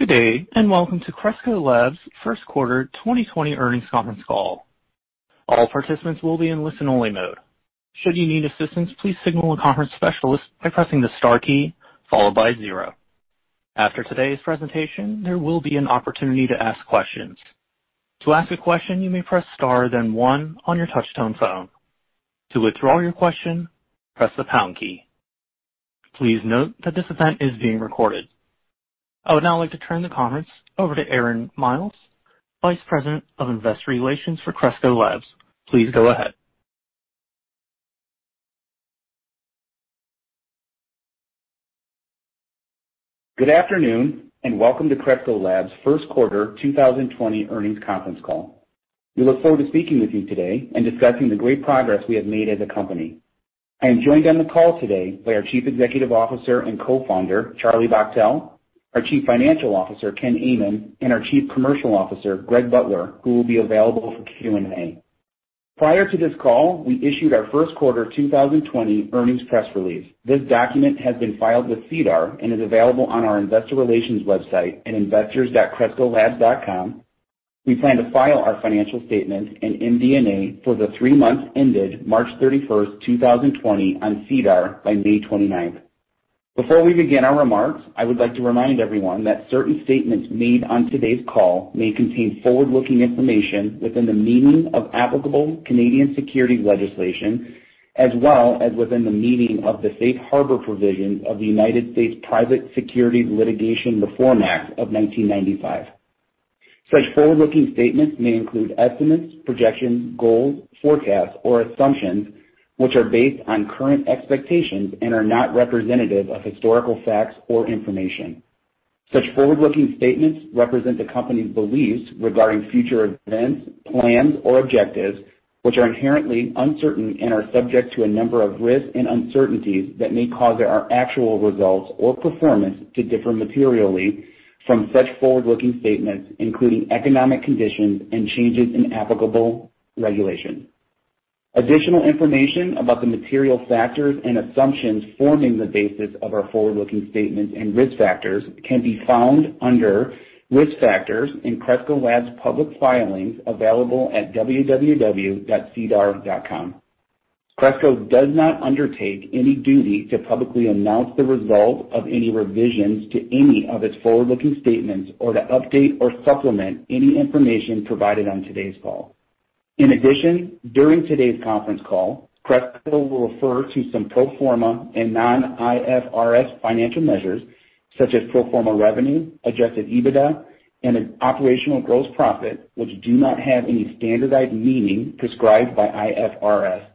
Good day, and welcome to Cresco Labs' first quarter 2020 earnings conference call. All participants will be in listen-only mode. Should you need assistance, please signal a conference specialist by pressing the star key followed by zero. After today's presentation, there will be an opportunity to ask questions. To ask a question, you may press star, then one on your touch-tone phone. To withdraw your question, press the pound key. Please note that this event is being recorded. I would now like to turn the conference over to Aaron Miles, Vice President of Investor Relations for Cresco Labs. Please go ahead. Good afternoon, and welcome to Cresco Labs' first quarter 2020 earnings conference call. We look forward to speaking with you today and discussing the great progress we have made as a company. I am joined on the call today by our Chief Executive Officer and Co-founder, Charlie Bachtell, our Chief Financial Officer, Ken Amann, and our Chief Commercial Officer, Greg Butler, who will be available for Q&A. Prior to this call, we issued our first quarter 2020 earnings press release. This document has been filed with SEDAR and is available on our investor relations website at investors.crescolabs.com. We plan to file our financial statements and MD&A for the three months ended March 31st, 2020 on SEDAR by May 29th. Before we begin our remarks, I would like to remind everyone that certain statements made on today's call may contain forward-looking information within the meaning of applicable Canadian securities legislation, as well as within the meaning of the Safe Harbor Provisions of the United States Private Securities Litigation Reform Act of 1995. Such forward-looking statements may include estimates, projections, goals, forecasts, or assumptions, which are based on current expectations and are not representative of historical facts or information. Such forward-looking statements represent the company's beliefs regarding future events, plans, or objectives, which are inherently uncertain and are subject to a number of risks and uncertainties that may cause our actual results or performance to differ materially from such forward-looking statements, including economic conditions and changes in applicable regulation. Additional information about the material factors and assumptions forming the basis of our forward-looking statements and risk factors can be found under Risk Factors in Cresco Labs' public filings available at www.sedar.com. Cresco does not undertake any duty to publicly announce the result of any revisions to any of its forward-looking statements or to update or supplement any information provided on today's call. In addition, during today's conference call, Cresco will refer to some pro forma and non-IFRS financial measures, such as pro forma revenue, Adjusted EBITDA, and an Operational Gross Profit, which do not have any standardized meaning prescribed by IFRS.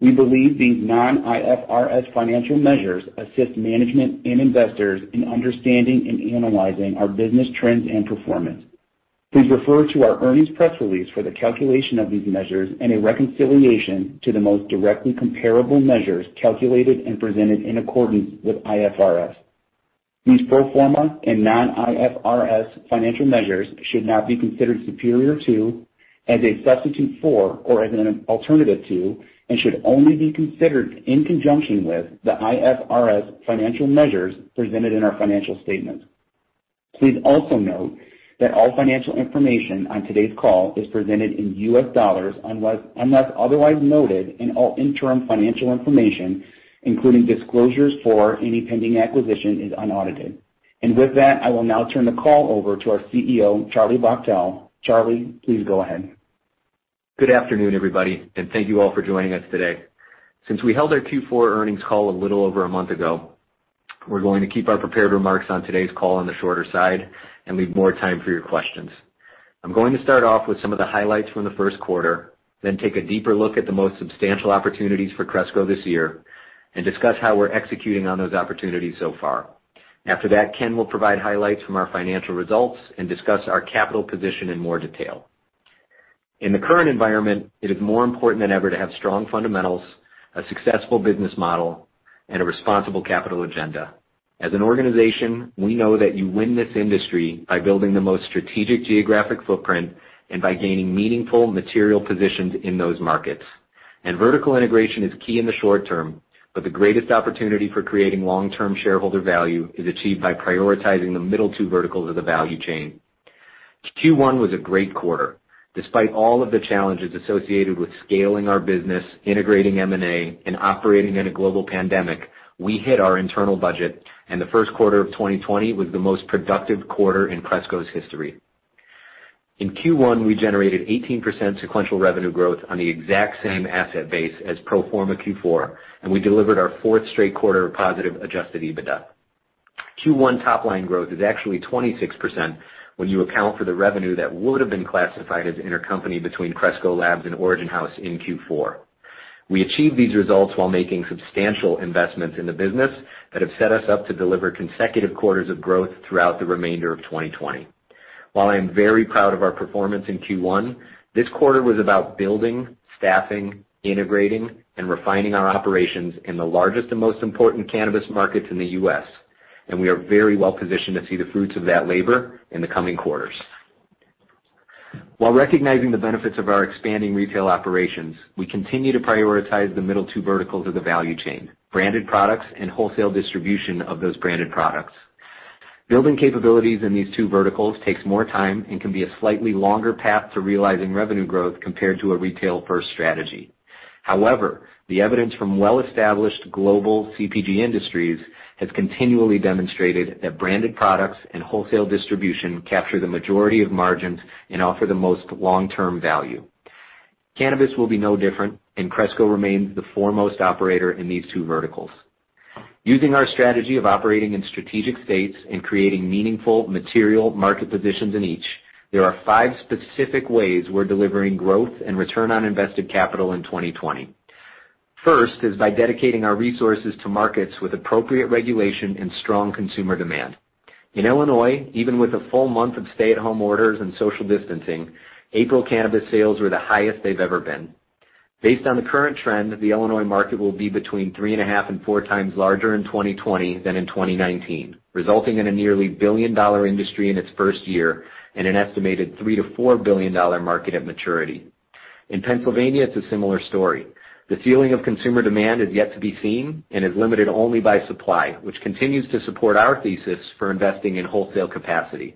We believe these non-IFRS financial measures assist management and investors in understanding and analyzing our business trends and performance. Please refer to our earnings press release for the calculation of these measures and a reconciliation to the most directly comparable measures calculated and presented in accordance with IFRS. These pro forma and non-IFRS financial measures should not be considered superior to, as a substitute for, or as an alternative to, and should only be considered in conjunction with the IFRS financial measures presented in our financial statement. Please also note that all financial information on today's call is presented in U.S. dollars, unless otherwise noted, and all interim financial information, including disclosures for any pending acquisition, is unaudited. With that, I will now turn the call over to our CEO, Charlie Bachtell. Charlie, please go ahead. Good afternoon, everybody, and thank you all for joining us today. Since we held our Q4 earnings call a little over a month ago, we're going to keep our prepared remarks on today's call on the shorter side and leave more time for your questions. I'm going to start off with some of the highlights from the first quarter, then take a deeper look at the most substantial opportunities for Cresco this year and discuss how we're executing on those opportunities so far. After that, Ken will provide highlights from our financial results and discuss our capital position in more detail. In the current environment, it is more important than ever to have strong fundamentals, a successful business model, and a responsible capital agenda. As an organization, we know that you win this industry by building the most strategic geographic footprint and by gaining meaningful material positions in those markets. And vertical integration is key in the short term, but the greatest opportunity for creating long-term shareholder value is achieved by prioritizing the middle two verticals of the value chain. Q1 was a great quarter. Despite all of the challenges associated with scaling our business, integrating M&A, and operating in a global pandemic, we hit our internal budget, and the first quarter of 2020 was the most productive quarter in Cresco's history. In Q1, we generated 18% sequential revenue growth on the exact same asset base as pro forma Q4, and we delivered our fourth straight quarter of positive Adjusted EBITDA. Q1 top line growth is actually 26% when you account for the revenue that would have been classified as intercompany between Cresco Labs and Origin House in Q4. We achieved these results while making substantial investments in the business that have set us up to deliver consecutive quarters of growth throughout the remainder of 2020. While I am very proud of our performance in Q1, this quarter was about building, staffing, integrating, and refining our operations in the largest and most important cannabis markets in the U.S., and we are very well positioned to see the fruits of that labor in the coming quarters. While recognizing the benefits of our expanding retail operations, we continue to prioritize the middle two verticals of the value chain, branded products and wholesale distribution of those branded products. Building capabilities in these two verticals takes more time and can be a slightly longer path to realizing revenue growth compared to a retail-first strategy. However, the evidence from well-established global CPG industries has continually demonstrated that branded products and wholesale distribution capture the majority of margins and offer the most long-term value. Cannabis will be no different, and Cresco remains the foremost operator in these two verticals. Using our strategy of operating in strategic states and creating meaningful material market positions in each, there are five specific ways we're delivering growth and return on invested capital in 2020. First is by dedicating our resources to markets with appropriate regulation and strong consumer demand. In Illinois, even with a full month of stay-at-home orders and social distancing, April cannabis sales were the highest they've ever been. Based on the current trend, the Illinois market will be between three and a half and four times larger in 2020 than in 2019, resulting in a nearly $1 billion-dollar industry in its first year and an estimated $3 billion-$4 billion market at maturity. In Pennsylvania, it's a similar story. The ceiling of consumer demand is yet to be seen and is limited only by supply, which continues to support our thesis for investing in wholesale capacity.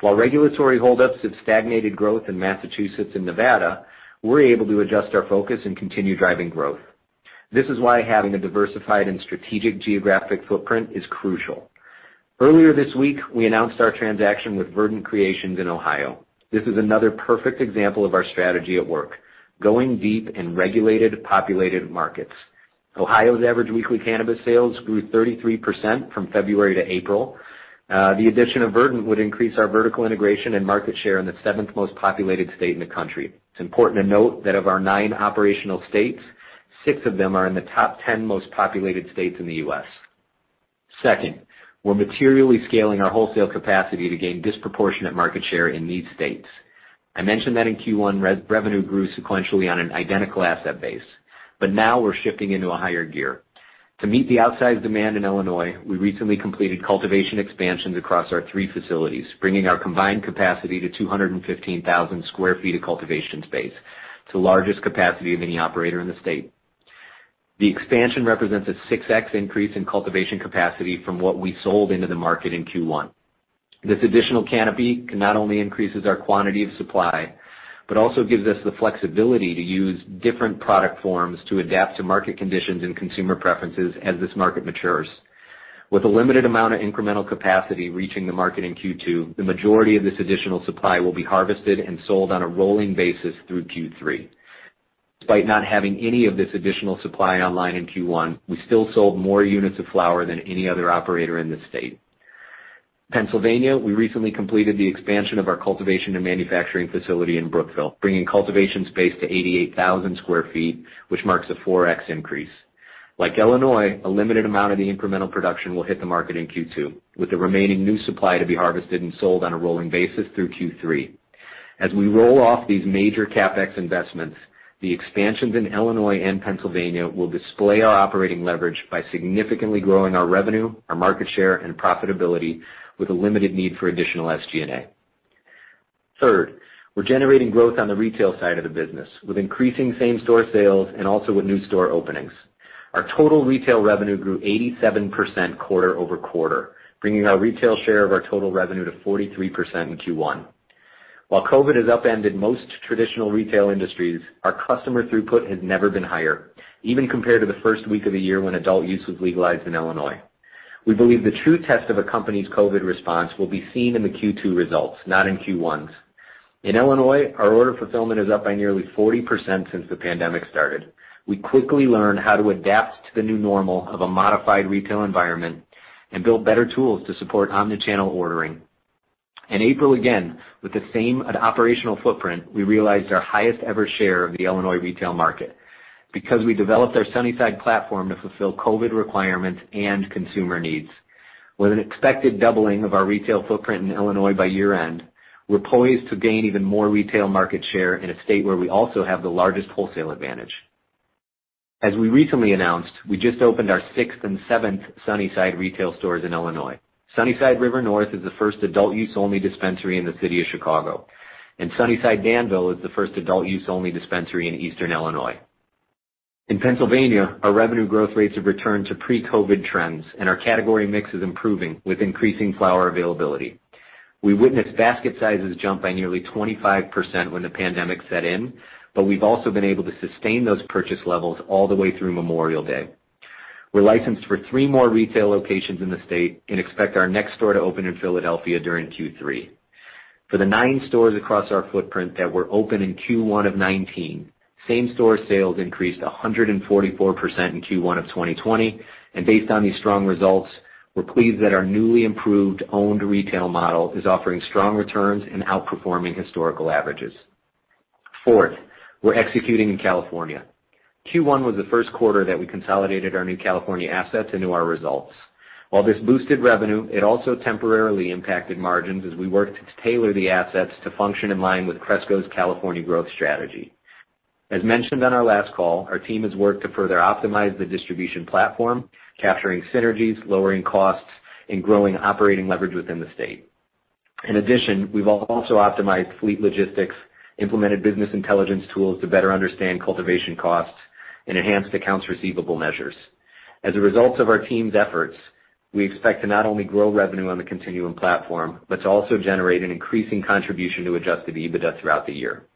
While regulatory holdups have stagnated growth in Massachusetts and Nevada, we're able to adjust our focus and continue driving growth. This is why having a diversified and strategic geographic footprint is crucial. Earlier this week, we announced our transaction with Verdant Creations in Ohio. This is another perfect example of our strategy at work, going deep in regulated, populated markets. Ohio's average weekly cannabis sales grew 33% from February to April. The addition of Verdant would increase our vertical integration and market share in the seventh most populated state in the country. It's important to note that of our nine operational states, six of them are in the top 10 most populated states in the U.S. Second, we're materially scaling our wholesale capacity to gain disproportionate market share in these states. I mentioned that in Q1, revenue grew sequentially on an identical asset base, but now we're shifting into a higher gear. To meet the outside demand in Illinois, we recently completed cultivation expansions across our three facilities, bringing our combined capacity to 215,000 sq ft of cultivation space, the largest capacity of any operator in the state. The expansion represents a 6x increase in cultivation capacity from what we sold into the market in Q1. This additional canopy can not only increase our quantity of supply, but also gives us the flexibility to use different product forms to adapt to market conditions and consumer preferences as this market matures. With a limited amount of incremental capacity reaching the market in Q2, the majority of this additional supply will be harvested and sold on a rolling basis through Q3. Despite not having any of this additional supply online in Q1, we still sold more units of flower than any other operator in the state. In Pennsylvania, we recently completed the expansion of our cultivation and manufacturing facility in Brookville, bringing cultivation space to 88,000 sq ft, which marks a 4x increase. Like Illinois, a limited amount of the incremental production will hit the market in Q2, with the remaining new supply to be harvested and sold on a rolling basis through Q3. As we roll off these major CapEx investments, the expansions in Illinois and Pennsylvania will display our operating leverage by significantly growing our revenue, our market share, and profitability with a limited need for additional SG&A. Third, we're generating growth on the retail side of the business, with increasing same-store sales and also with new store openings. Our total retail revenue grew 87% quarter-over-quarter, bringing our retail share of our total revenue to 43% in Q1. While COVID has upended most traditional retail industries, our customer throughput has never been higher, even compared to the first week of the year when adult use was legalized in Illinois. We believe the true test of a company's COVID response will be seen in the Q2 results, not in Q1's. In Illinois, our order fulfillment is up by nearly 40% since the pandemic started. We quickly learned how to adapt to the new normal of a modified retail environment and build better tools to support omni-channel ordering. In April, again, with the same operational footprint, we realized our highest ever share of the Illinois retail market because we developed our Sunnyside platform to fulfill COVID requirements and consumer needs. With an expected doubling of our retail footprint in Illinois by year-end, we're poised to gain even more retail market share in a state where we also have the largest wholesale advantage. As we recently announced, we just opened our sixth and seventh Sunnyside retail stores in Illinois. Sunnyside River North is the first adult-use only dispensary in the city of Chicago, and Sunnyside Danville is the first adult-use only dispensary in Eastern Illinois. In Pennsylvania, our revenue growth rates have returned to pre-COVID trends, and our category mix is improving with increasing flower availability. We witnessed basket sizes jump by nearly 25% when the pandemic set in, but we've also been able to sustain those purchase levels all the way through Memorial Day. We're licensed for three more retail locations in the state and expect our next store to open in Philadelphia during Q3. For the nine stores across our footprint that were open in Q1 of 2019, same-store sales increased 144% in Q1 of 2020, and based on these strong results, we're pleased that our newly improved owned retail model is offering strong returns and outperforming historical averages. Fourth, we're executing in California. Q1 was the first quarter that we consolidated our new California assets into our results. While this boosted revenue, it also temporarily impacted margins as we worked to tailor the assets to function in line with Cresco's California growth strategy. As mentioned on our last call, our team has worked to further optimize the distribution platform, capturing synergies, lowering costs, and growing operating leverage within the state. In addition, we've also optimized fleet logistics, implemented business intelligence tools to better understand cultivation costs, and enhanced accounts receivable measures. As a result of our team's efforts, we expect to not only grow revenue on the Continuum platform, but to also generate an increasing contribution to Adjusted EBITDA throughout the year.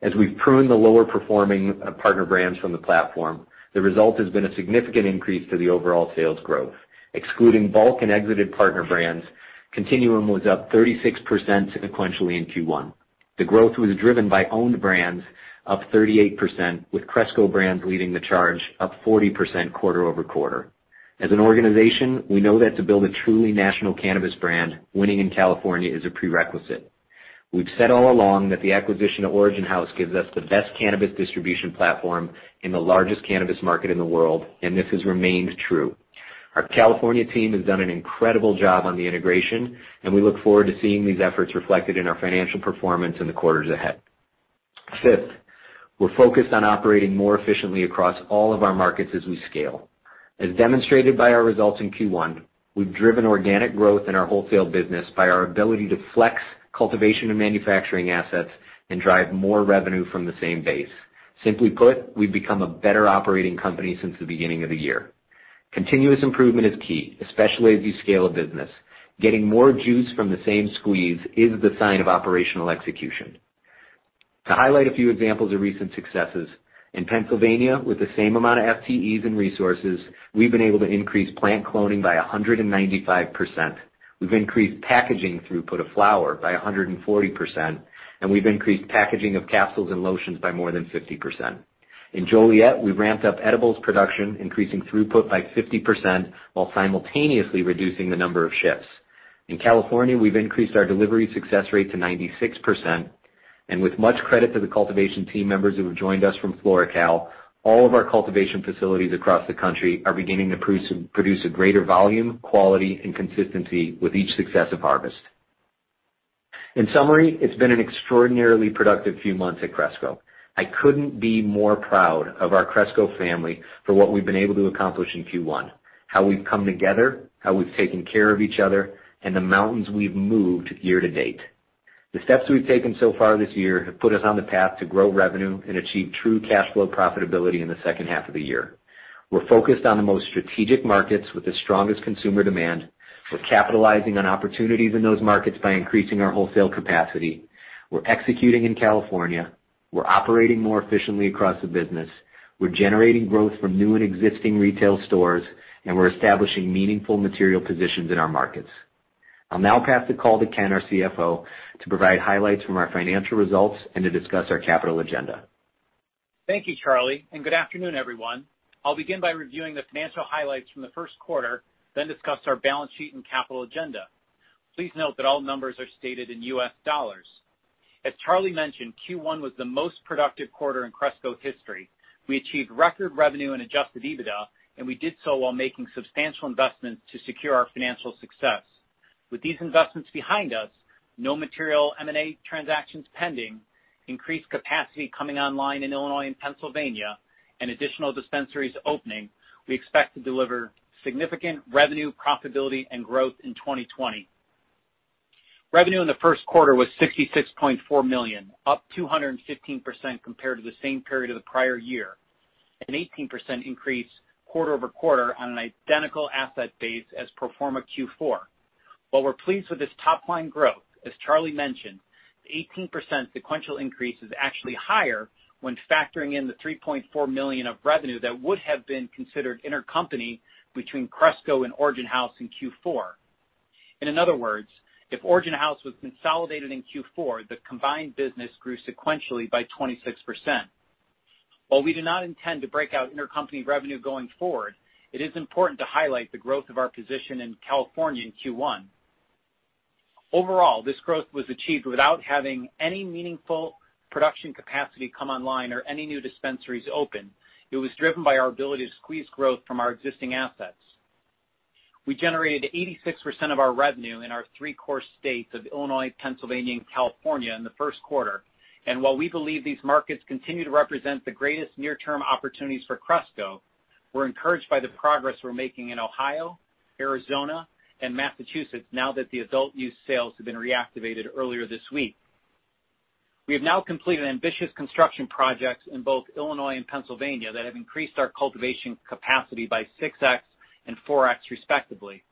As we've pruned the lower-performing, partner brands from the platform, the result has been a significant increase to the overall sales growth. Excluding bulk and exited partner brands, Continuum was up 36% sequentially in Q1. The growth was driven by owned brands, up 38%, with Cresco brands leading the charge, up 40% quarter-over-quarter. As an organization, we know that to build a truly national cannabis brand, winning in California is a prerequisite. We've said all along that the acquisition of Origin House gives us the best cannabis distribution platform in the largest cannabis market in the world, and this has remained true. Our California team has done an incredible job on the integration, and we look forward to seeing these efforts reflected in our financial performance in the quarters ahead. Fifth, we're focused on operating more efficiently across all of our markets as we scale. As demonstrated by our results in Q1, we've driven organic growth in our wholesale business by our ability to flex cultivation and manufacturing assets and drive more revenue from the same base. Simply put, we've become a better operating company since the beginning of the year. Continuous improvement is key, especially as you scale a business. Getting more juice from the same squeeze is the sign of operational execution. To highlight a few examples of recent successes, in Pennsylvania, with the same amount of FTEs and resources, we've been able to increase plant cloning by 195%. We've increased packaging throughput of flower by 140%, and we've increased packaging of capsules and lotions by more than 50%. In Joliet, we've ramped up edibles production, increasing throughput by 50%, while simultaneously reducing the number of shifts. In California, we've increased our delivery success rate to 96%, and with much credit to the cultivation team members who have joined us from FloraCal, all of our cultivation facilities across the country are beginning to produce a greater volume, quality, and consistency with each successive harvest. In summary, it's been an extraordinarily productive few months at Cresco. I couldn't be more proud of our Cresco family for what we've been able to accomplish in Q1, how we've come together, how we've taken care of each other, and the mountains we've moved year to date. The steps we've taken so far this year have put us on the path to grow revenue and achieve true cash flow profitability in the second half of the year. We're focused on the most strategic markets with the strongest consumer demand. We're capitalizing on opportunities in those markets by increasing our wholesale capacity. We're executing in California. We're operating more efficiently across the business. We're generating growth from new and existing retail stores, and we're establishing meaningful material positions in our markets. I'll now pass the call to Ken, our CFO, to provide highlights from our financial results and to discuss our capital agenda. Thank you, Charlie, and good afternoon, everyone. I'll begin by reviewing the financial highlights from the first quarter, then discuss our balance sheet and capital agenda. Please note that all numbers are stated in U.S. dollars. As Charlie mentioned, Q1 was the most productive quarter in Cresco history. We achieved record revenue and Adjusted EBITDA, and we did so while making substantial investments to secure our financial success. With these investments behind us, no material M&A transactions pending, increased capacity coming online in Illinois and Pennsylvania, and additional dispensaries opening, we expect to deliver significant revenue, profitability, and growth in 2020. Revenue in the first quarter was $66.4 million, up 215% compared to the same period of the prior year, an 18% increase quarter-over-quarter on an identical asset base as pro forma Q4. While we're pleased with this top line growth, as Charlie mentioned, the 18% sequential increase is actually higher when factoring in the $3.4 million of revenue that would have been considered intercompany between Cresco and Origin House in Q4. In other words, if Origin House was consolidated in Q4, the combined business grew sequentially by 26%. While we do not intend to break out intercompany revenue going forward, it is important to highlight the growth of our position in California in Q1. Overall, this growth was achieved without having any meaningful production capacity come online or any new dispensaries open. It was driven by our ability to squeeze growth from our existing assets. We generated 86% of our revenue in our three core states of Illinois, Pennsylvania, and California in the first quarter. While we believe these markets continue to represent the greatest near-term opportunities for Cresco, we're encouraged by the progress we're making in Ohio, Arizona, and Massachusetts now that the adult-use sales have been reactivated earlier this week. We have now completed ambitious construction projects in both Illinois and Pennsylvania that have increased our cultivation capacity by 6x and 4x, respectively.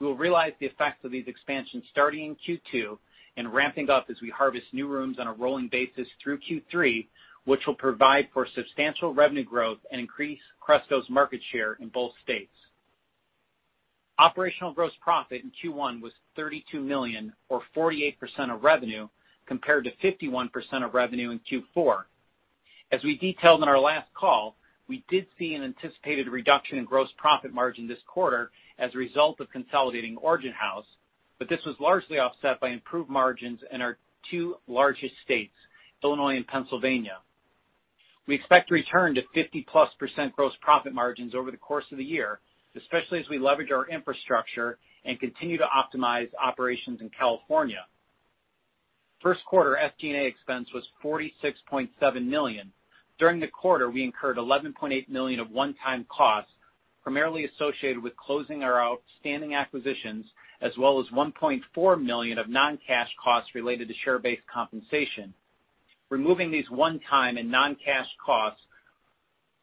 We will realize the effects of these expansions starting in Q2 and ramping up as we harvest new rooms on a rolling basis through Q3, which will provide for substantial revenue growth and increase Cresco's market share in both states. Operational Gross Profit in Q1 was $32 million, or 48% of revenue, compared to 51% of revenue in Q4. As we detailed on our last call, we did see an anticipated reduction in gross profit margin this quarter as a result of consolidating Origin House, but this was largely offset by improved margins in our two largest states, Illinois and Pennsylvania. We expect to return to 50%+ gross profit margins over the course of the year, especially as we leverage our infrastructure and continue to optimize operations in California. First quarter SG&A expense was $46.7 million. During the quarter, we incurred $11.8 million of one-time costs, primarily associated with closing our outstanding acquisitions, as well as $1.4 million of non-cash costs related to share-based compensation. Removing these one-time and non-cash costs,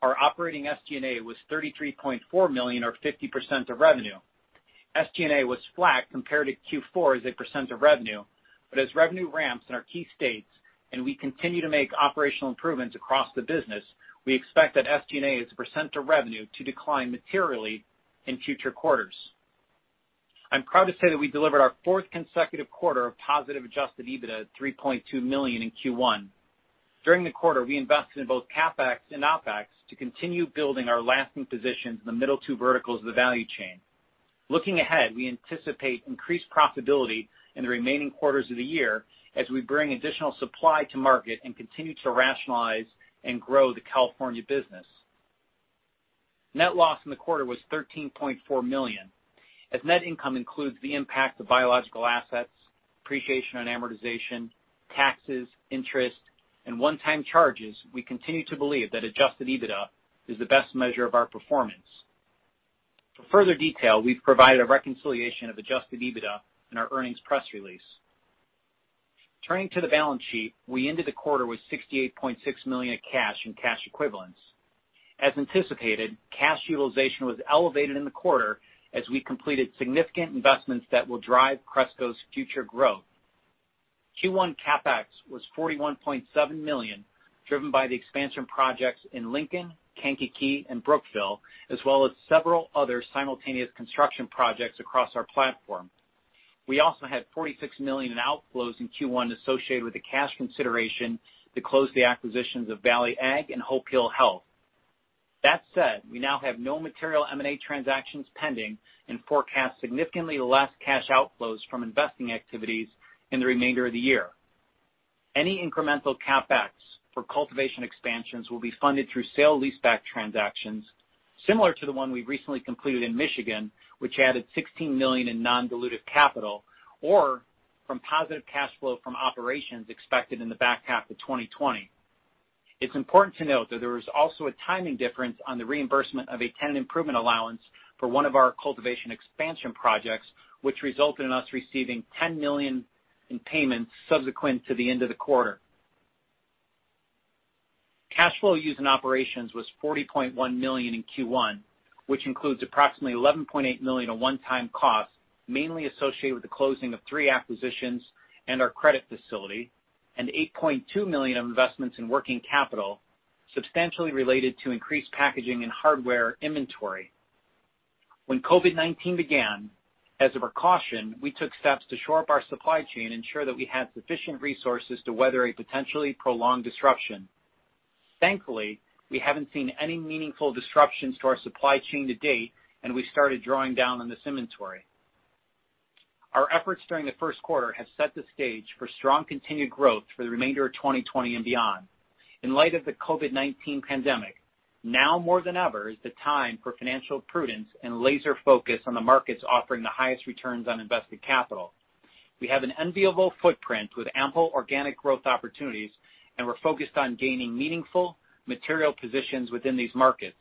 our operating SG&A was $33.4 million, or 50% of revenue. SG&A was flat compared to Q4 as a % of revenue, but as revenue ramps in our key states and we continue to make operational improvements across the business, we expect that SG&A as a percent of revenue to decline materially in future quarters. I'm proud to say that we delivered our fourth consecutive quarter of positive Adjusted EBITDA, $3.2 million in Q1. During the quarter, we invested in both CapEx and OpEx to continue building our lasting positions in the middle two verticals of the value chain. Looking ahead, we anticipate increased profitability in the remaining quarters of the year as we bring additional supply to market and continue to rationalize and grow the California business. Net loss in the quarter was $13.4 million. As net income includes the impact of biological assets, depreciation and amortization, taxes, interest, and one-time charges, we continue to believe that Adjusted EBITDA is the best measure of our performance. For further detail, we've provided a reconciliation of Adjusted EBITDA in our earnings press release. Turning to the balance sheet, we ended the quarter with $68.6 million in cash and cash equivalents. As anticipated, cash utilization was elevated in the quarter as we completed significant investments that will drive Cresco's future growth. Q1 CapEx was $41.7 million, driven by the expansion projects in Lincoln, Kankakee, and Brookville, as well as several other simultaneous construction projects across our platform. We also had $46 million in outflows in Q1 associated with the cash consideration to close the acquisitions of Valley Ag and Hope Heal Health. That said, we now have no material M&A transactions pending and forecast significantly less cash outflows from investing activities in the remainder of the year. Any incremental CapEx for cultivation expansions will be funded through sale-leaseback transactions, similar to the one we recently completed in Michigan, which added $16 million in non-dilutive capital, or from positive cash flow from operations expected in the back half of 2020. It's important to note that there was also a timing difference on the reimbursement of a tenant improvement allowance for one of our cultivation expansion projects, which resulted in us receiving $10 million in payments subsequent to the end of the quarter. Cash flow used in operations was $40.1 million in Q1, which includes approximately $11.8 million of one-time costs, mainly associated with the closing of three acquisitions and our credit facility, and $8.2 million of investments in working capital, substantially related to increased packaging and hardware inventory. When COVID-19 began, as a precaution, we took steps to shore up our supply chain and ensure that we had sufficient resources to weather a potentially prolonged disruption. Thankfully, we haven't seen any meaningful disruptions to our supply chain to date, and we started drawing down on this inventory. Our efforts during the first quarter have set the stage for strong continued growth for the remainder of 2020 and beyond. In light of the COVID-19 pandemic, now more than ever, is the time for financial prudence and laser focus on the markets offering the highest returns on invested capital. We have an enviable footprint with ample organic growth opportunities, and we're focused on gaining meaningful, material positions within these markets.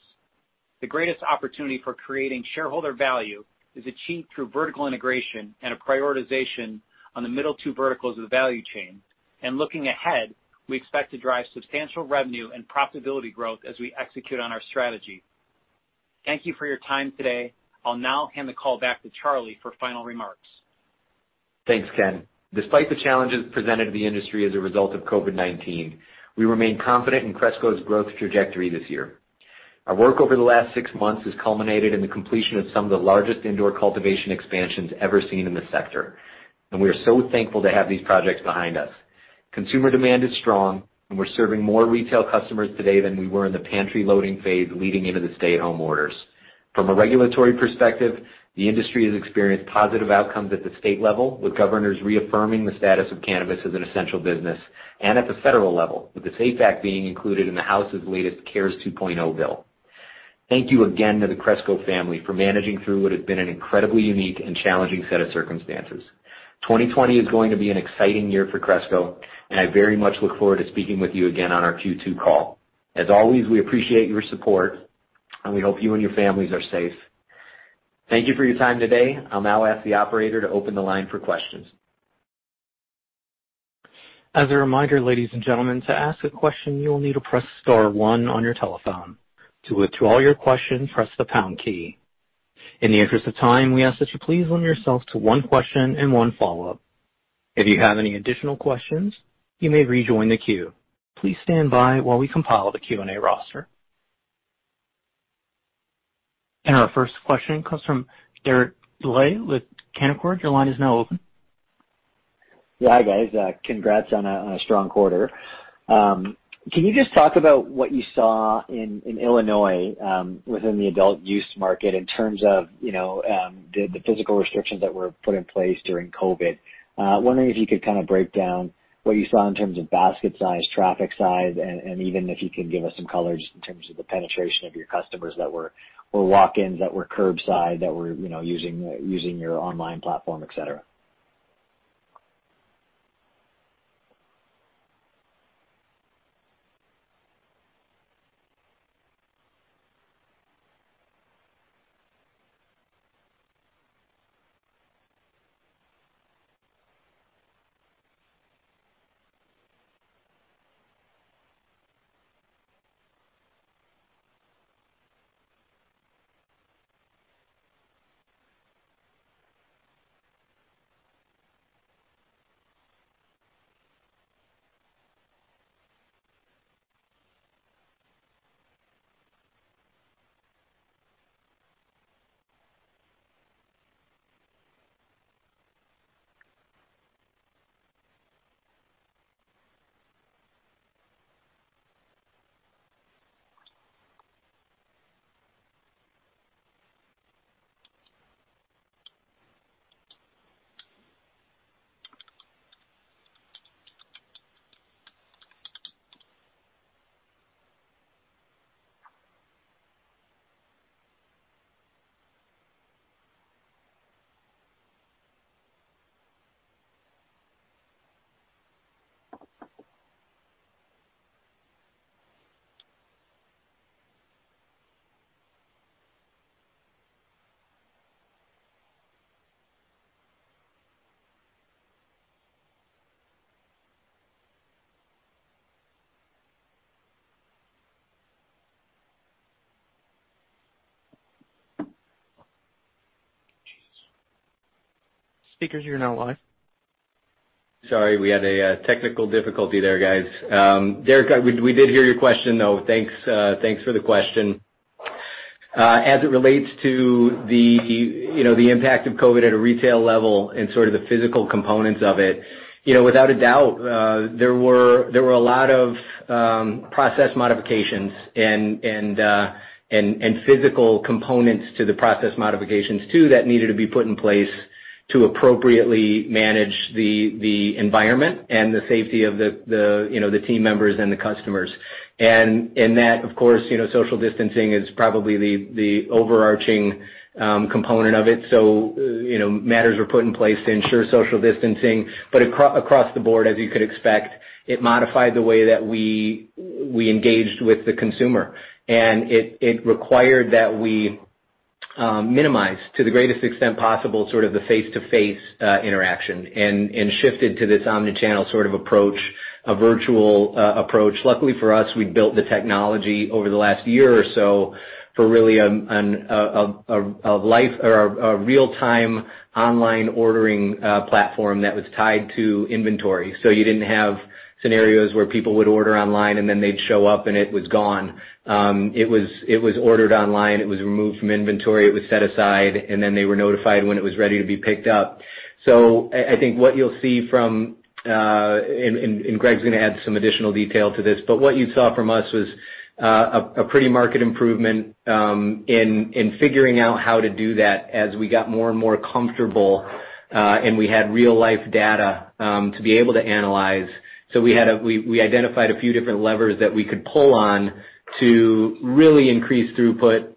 The greatest opportunity for creating shareholder value is achieved through vertical integration and a prioritization on the middle two verticals of the value chain. And looking ahead, we expect to drive substantial revenue and profitability growth as we execute on our strategy. Thank you for your time today. I'll now hand the call back to Charlie for final remarks. Thanks, Ken. Despite the challenges presented to the industry as a result of COVID-19, we remain confident in Cresco's growth trajectory this year. Our work over the last six months has culminated in the completion of some of the largest indoor cultivation expansions ever seen in the sector, and we are so thankful to have these projects behind us. Consumer demand is strong, and we're serving more retail customers today than we were in the pantry loading phase leading into the stay-at-home orders. From a regulatory perspective, the industry has experienced positive outcomes at the state level, with governors reaffirming the status of cannabis as an essential business, and at the federal level, with the SAFE Act being included in the House's latest CARES 2.0 bill. Thank you again to the Cresco family for managing through what has been an incredibly unique and challenging set of circumstances. 2020 is going to be an exciting year for Cresco, and I very much look forward to speaking with you again on our Q2 call. As always, we appreciate your support, and we hope you and your families are safe. Thank you for your time today. I'll now ask the operator to open the line for questions. As a reminder, ladies and gentlemen, to ask a question, you will need to press star one on your telephone. To withdraw your question, press the pound key. In the interest of time, we ask that you please limit yourself to one question and one follow-up. If you have any additional questions, you may rejoin the queue. Please stand by while we compile the Q&A roster. And our first question comes from Derek Dley with Canaccord. Your line is now open. Yeah. Hi, guys, congrats on a strong quarter. Can you just talk about what you saw in Illinois within the adult-use market in terms of, you know, the physical restrictions that were put in place during COVID? Wondering if you could kind of break down what you saw in terms of basket size, traffic size, and even if you can give us some color just in terms of the penetration of your customers that were walk-ins, that were curbside, that were, you know, using your online platform, et cetera? Speakers, you're now live. Sorry, we had a technical difficulty there, guys. Derek, we did hear your question, though. Thanks for the question. As it relates to you know the impact of COVID at a retail level and sort of the physical components of it, you know, without a doubt, there were a lot of process modifications and physical components to the process modifications too, that needed to be put in place to appropriately manage the environment and the safety of you know the team members and the customers. That, of course, you know, social distancing is probably the overarching component of it. So, you know, matters were put in place to ensure social distancing, but across the board, as you could expect, it modified the way that we engaged with the consumer. And it required that we minimize to the greatest extent possible sort of the face-to-face interaction and shifted to this omni-channel sort of approach, a virtual approach. Luckily for us, we'd built the technology over the last year or so for really a live or a real-time online ordering platform that was tied to inventory. So you didn't have scenarios where people would order online, and then they'd show up, and it was gone. It was ordered online, it was removed from inventory, it was set aside, and then they were notified when it was ready to be picked up. So I think what you'll see, and Greg's gonna add some additional detail to this, but what you saw from us was a pretty marked improvement in figuring out how to do that as we got more and more comfortable, and we had real-life data to be able to analyze. So we identified a few different levers that we could pull on to really increase throughput,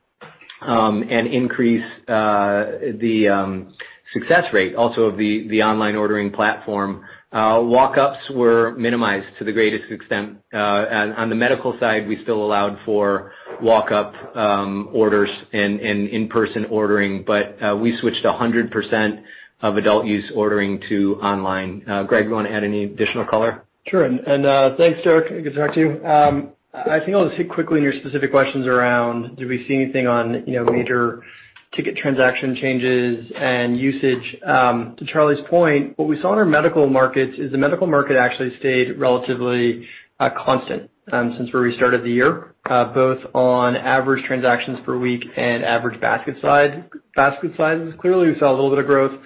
and increase the success rate also of the online ordering platform. Walk-ups were minimized to the greatest extent. On the medical side, we still allowed for walk-up orders and in-person ordering, but we switched 100% of adult-use ordering to online. Greg, you wanna add any additional color? Sure. And, thanks, Derek. Good to talk to you. I think I'll just hit quickly on your specific questions around, did we see anything on, you know, major ticket transaction changes and usage? To Charlie's point, what we saw in our medical markets is the medical market actually stayed relatively constant since we restarted the year, both on average transactions per week and average basket sizes. Clearly, we saw a little bit of growth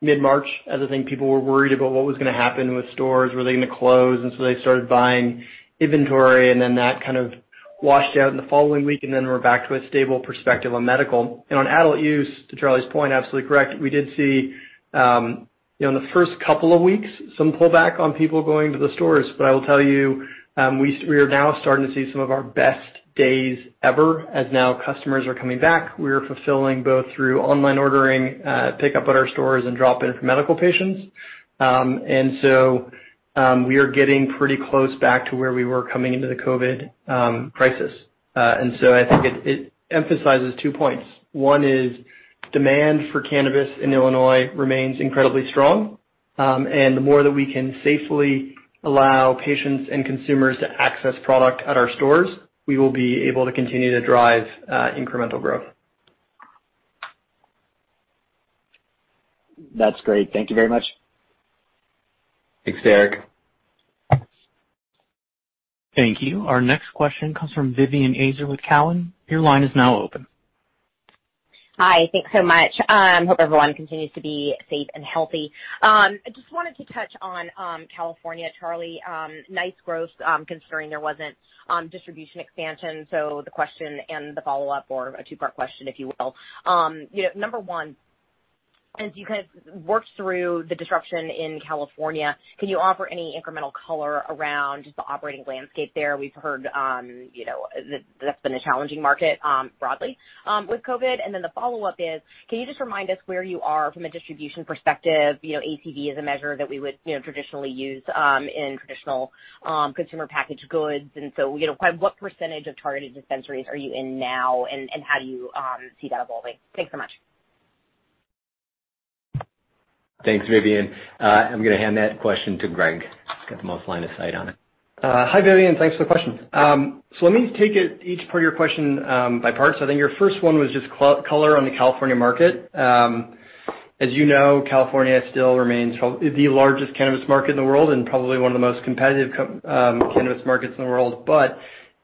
mid-March as I think people were worried about what was gonna happen with stores. Were they gonna close? And so they started buying inventory, and then that kind of washed out in the following week, and then we're back to a stable perspective on medical. And on adult use, to Charlie's point, absolutely correct. We did see, you know, in the first couple of weeks, some pullback on people going to the stores. But I will tell you, we are now starting to see some of our best days ever, as now customers are coming back. We are fulfilling both through online ordering, pickup at our stores, and drop-in for medical patients, and so we are getting pretty close back to where we were coming into the COVID crisis, and so I think it emphasizes two points. One is, demand for cannabis in Illinois remains incredibly strong, and the more that we can safely allow patients and consumers to access product at our stores, we will be able to continue to drive incremental growth. That's great. Thank you very much. Thanks, Derek. Thank you. Our next question comes from Vivian Azer with Cowen. Your line is now open. Hi, thanks so much. Hope everyone continues to be safe and healthy. I just wanted to touch on, California, Charlie. Nice growth, considering there wasn't distribution expansion. So the question and the follow-up, or a two-part question, if you will. You know, number one, as you kind of worked through the disruption in California, can you offer any incremental color around just the operating landscape there? We've heard, you know, that's been a challenging market, broadly, with COVID. And then the follow-up is: Can you just remind us where you are from a distribution perspective? You know, ACV is a measure that we would, you know, traditionally use, in traditional consumer packaged goods. And so, you know, what percentage of targeted dispensaries are you in now, and, and how do you see that evolving? Thanks so much. Thanks, Vivian. I'm gonna hand that question to Greg. He's got the most line of sight on it. Hi, Vivian. Thanks for the question. So let me take it each part of your question by parts. I think your first one was just color on the California market. As you know, California still remains probably the largest cannabis market in the world and probably one of the most competitive cannabis markets in the world.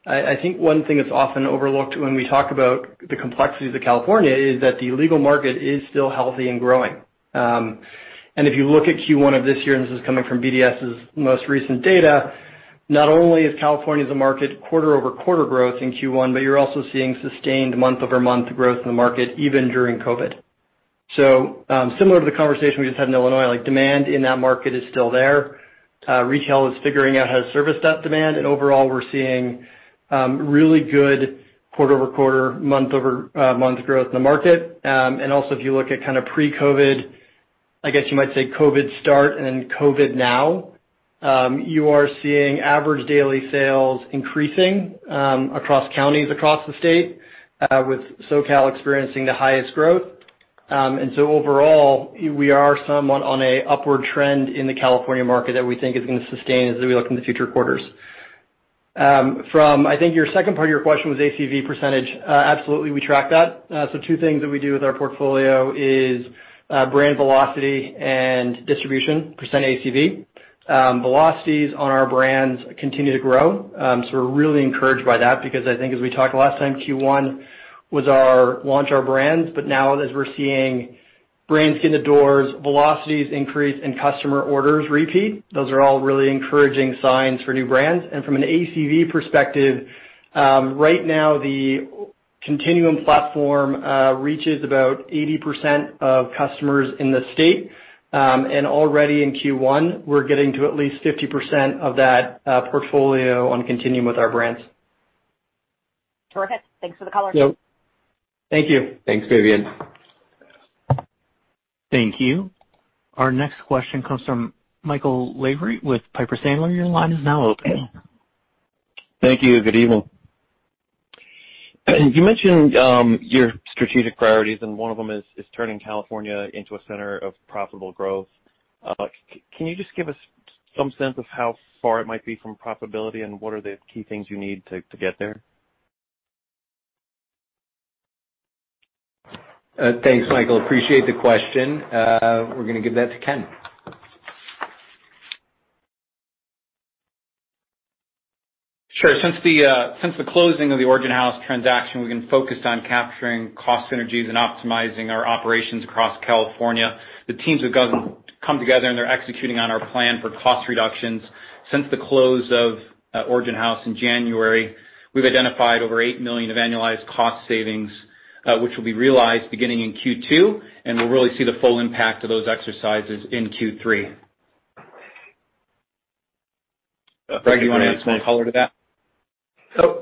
I think one thing that's often overlooked when we talk about the complexities of California is that the illegal market is still healthy and growing. And if you look at Q1 of this year, and this is coming from BDS's most recent data, not only is California the market quarter-over-quarter growth in Q1, but you're also seeing sustained month-over-month growth in the market, even during COVID. So, similar to the conversation we just had in Illinois, like, demand in that market is still there. Retail is figuring out how to service that demand, and overall, we're seeing really good quarter-over-quarter, month over month growth in the market. And also, if you look at kind of pre-COVID, I guess you might say COVID start and then COVID now, you are seeing average daily sales increasing across counties across the state, with SoCal experiencing the highest growth. And so overall, we are somewhat on a upward trend in the California market that we think is gonna sustain as we look in the future quarters. From, I think, your second part of your question was ACV percentage. Absolutely, we track that. So two things that we do with our portfolio is, brand velocity and distribution, percent ACV. Velocities on our brands continue to grow. So we're really encouraged by that because I think as we talked last time, Q1 was our launch our brands, but now as we're seeing brands get in the doors, velocities increase, and customer orders repeat, those are all really encouraging signs for new brands. And from an ACV perspective, right now, the Continuum platform reaches about 80% of customers in the state. And already in Q1, we're getting to at least 50% of that portfolio on Continuum with our brands. Terrific. Thanks for the color. Yep. Thank you. Thanks, Vivian. Thank you. Our next question comes from Michael Lavery with Piper Sandler. Your line is now open. Thank you. Good evening. You mentioned your strategic priorities, and one of them is turning California into a center of profitable growth. Can you just give us some sense of how far it might be from profitability, and what are the key things you need to get there? Thanks, Michael. Appreciate the question. We're gonna give that to Ken. Sure. Since the closing of the Origin House transaction, we've been focused on capturing cost synergies and optimizing our operations across California. The teams have come together, and they're executing on our plan for cost reductions. Since the close of Origin House in January, we've identified over $8 million of annualized cost savings, which will be realized beginning in Q2, and we'll really see the full impact of those exercises in Q3. Greg, you wanna add some color to that? Yeah,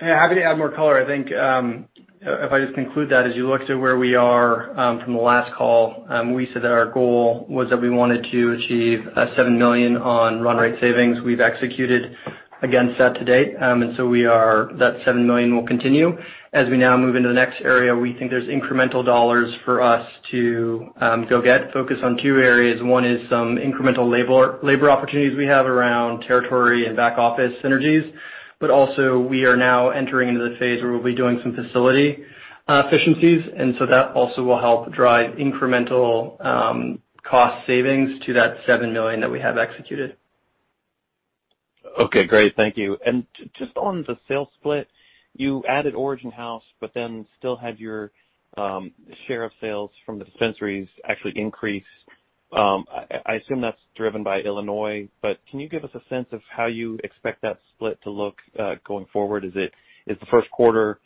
happy to add more color. I think, if I just conclude that, as you look to where we are, from the last call, we said that our goal was that we wanted to achieve $7 million on run rate savings. We've executed against that to date, and so we are... That $7 million will continue. As we now move into the next area, we think there's incremental dollars for us to go get. Focus on two areas: one is some incremental labor opportunities we have around territory and back office synergies, but also we are now entering into the phase where we'll be doing some facility efficiencies, and so that also will help drive incremental cost savings to that $7 million that we have executed. Okay, great. Thank you. And just on the sales split, you added Origin House, but then still had your share of sales from the dispensaries actually increase. I assume that's driven by Illinois, but can you give us a sense of how you expect that split to look going forward? Is the first quarter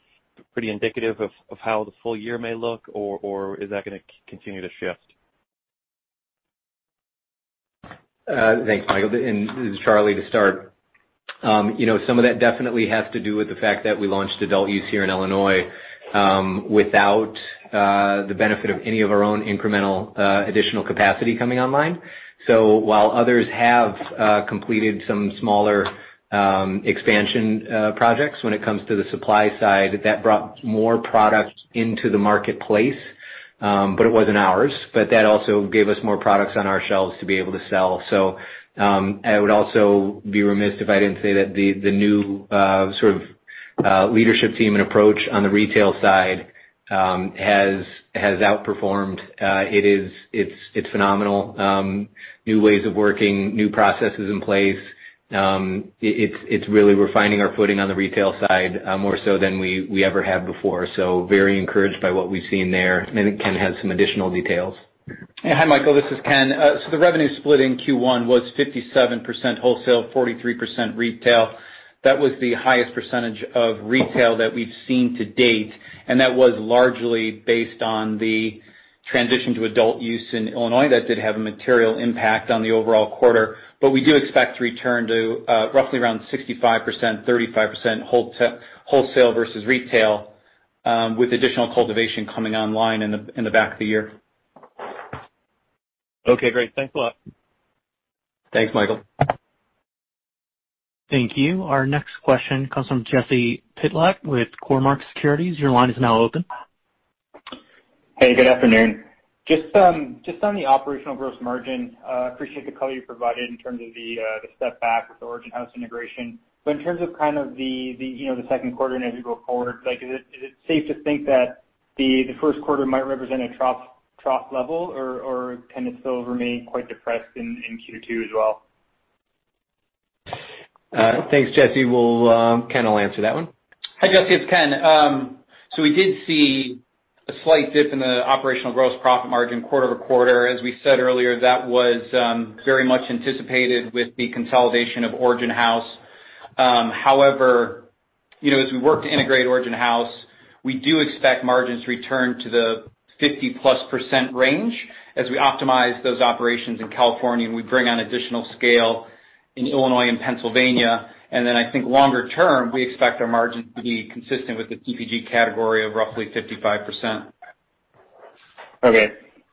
pretty indicative of how the full year may look, or is that gonna continue to shift? Thanks, Michael. And this is Charlie to start, you know, some of that definitely has to do with the fact that we launched adult use here in Illinois without the benefit of any of our own incremental additional capacity coming online. So while others have completed some smaller expansion projects when it comes to the supply side that brought more product into the marketplace, but it wasn't ours, but that also gave us more products on our shelves to be able to sell. So I would also be remiss if I didn't say that the new sort of leadership team and approach on the retail side has outperformed. It is - it's phenomenal. New ways of working, new processes in place. It's really refining our footing on the retail side, more so than we ever have before, so very encouraged by what we've seen there. Maybe Ken has some additional details. Yeah. Hi, Michael. This is Ken. So the revenue split in Q1 was 57% wholesale, 43% retail. That was the highest percentage of retail that we've seen to date, and that was largely based on the transition to adult use in Illinois. That did have a material impact on the overall quarter, but we do expect to return to, roughly around 65%, 35% wholesale versus retail, with additional cultivation coming online in the back of the year. Okay, great. Thanks a lot. Thanks, Michael. Thank you. Our next question comes from Jesse Pytlak with Cormark Securities. Your line is now open. Hey, good afternoon. Just, just on the operational gross margin, appreciate the color you provided in terms of the step back with Origin House integration. But in terms of kind of the, you know, the second quarter and as we go forward, like, is it safe to think that the first quarter might represent a trough level, or can it still remain quite depressed in Q2 as well? Thanks, Jesse. We'll, Ken will answer that one. Hi, Jesse, it's Ken. So we did see a slight dip in the Operational Gross Profit margin quarter-over-quarter. As we said earlier, that was very much anticipated with the consolidation of Origin House. However, you know, as we work to integrate Origin House, we do expect margins to return to the 50+% range as we optimize those operations in California, and we bring on additional scale in Illinois and Pennsylvania, and then I think longer term, we expect our margins to be consistent with the CPG category of roughly 55%. Okay.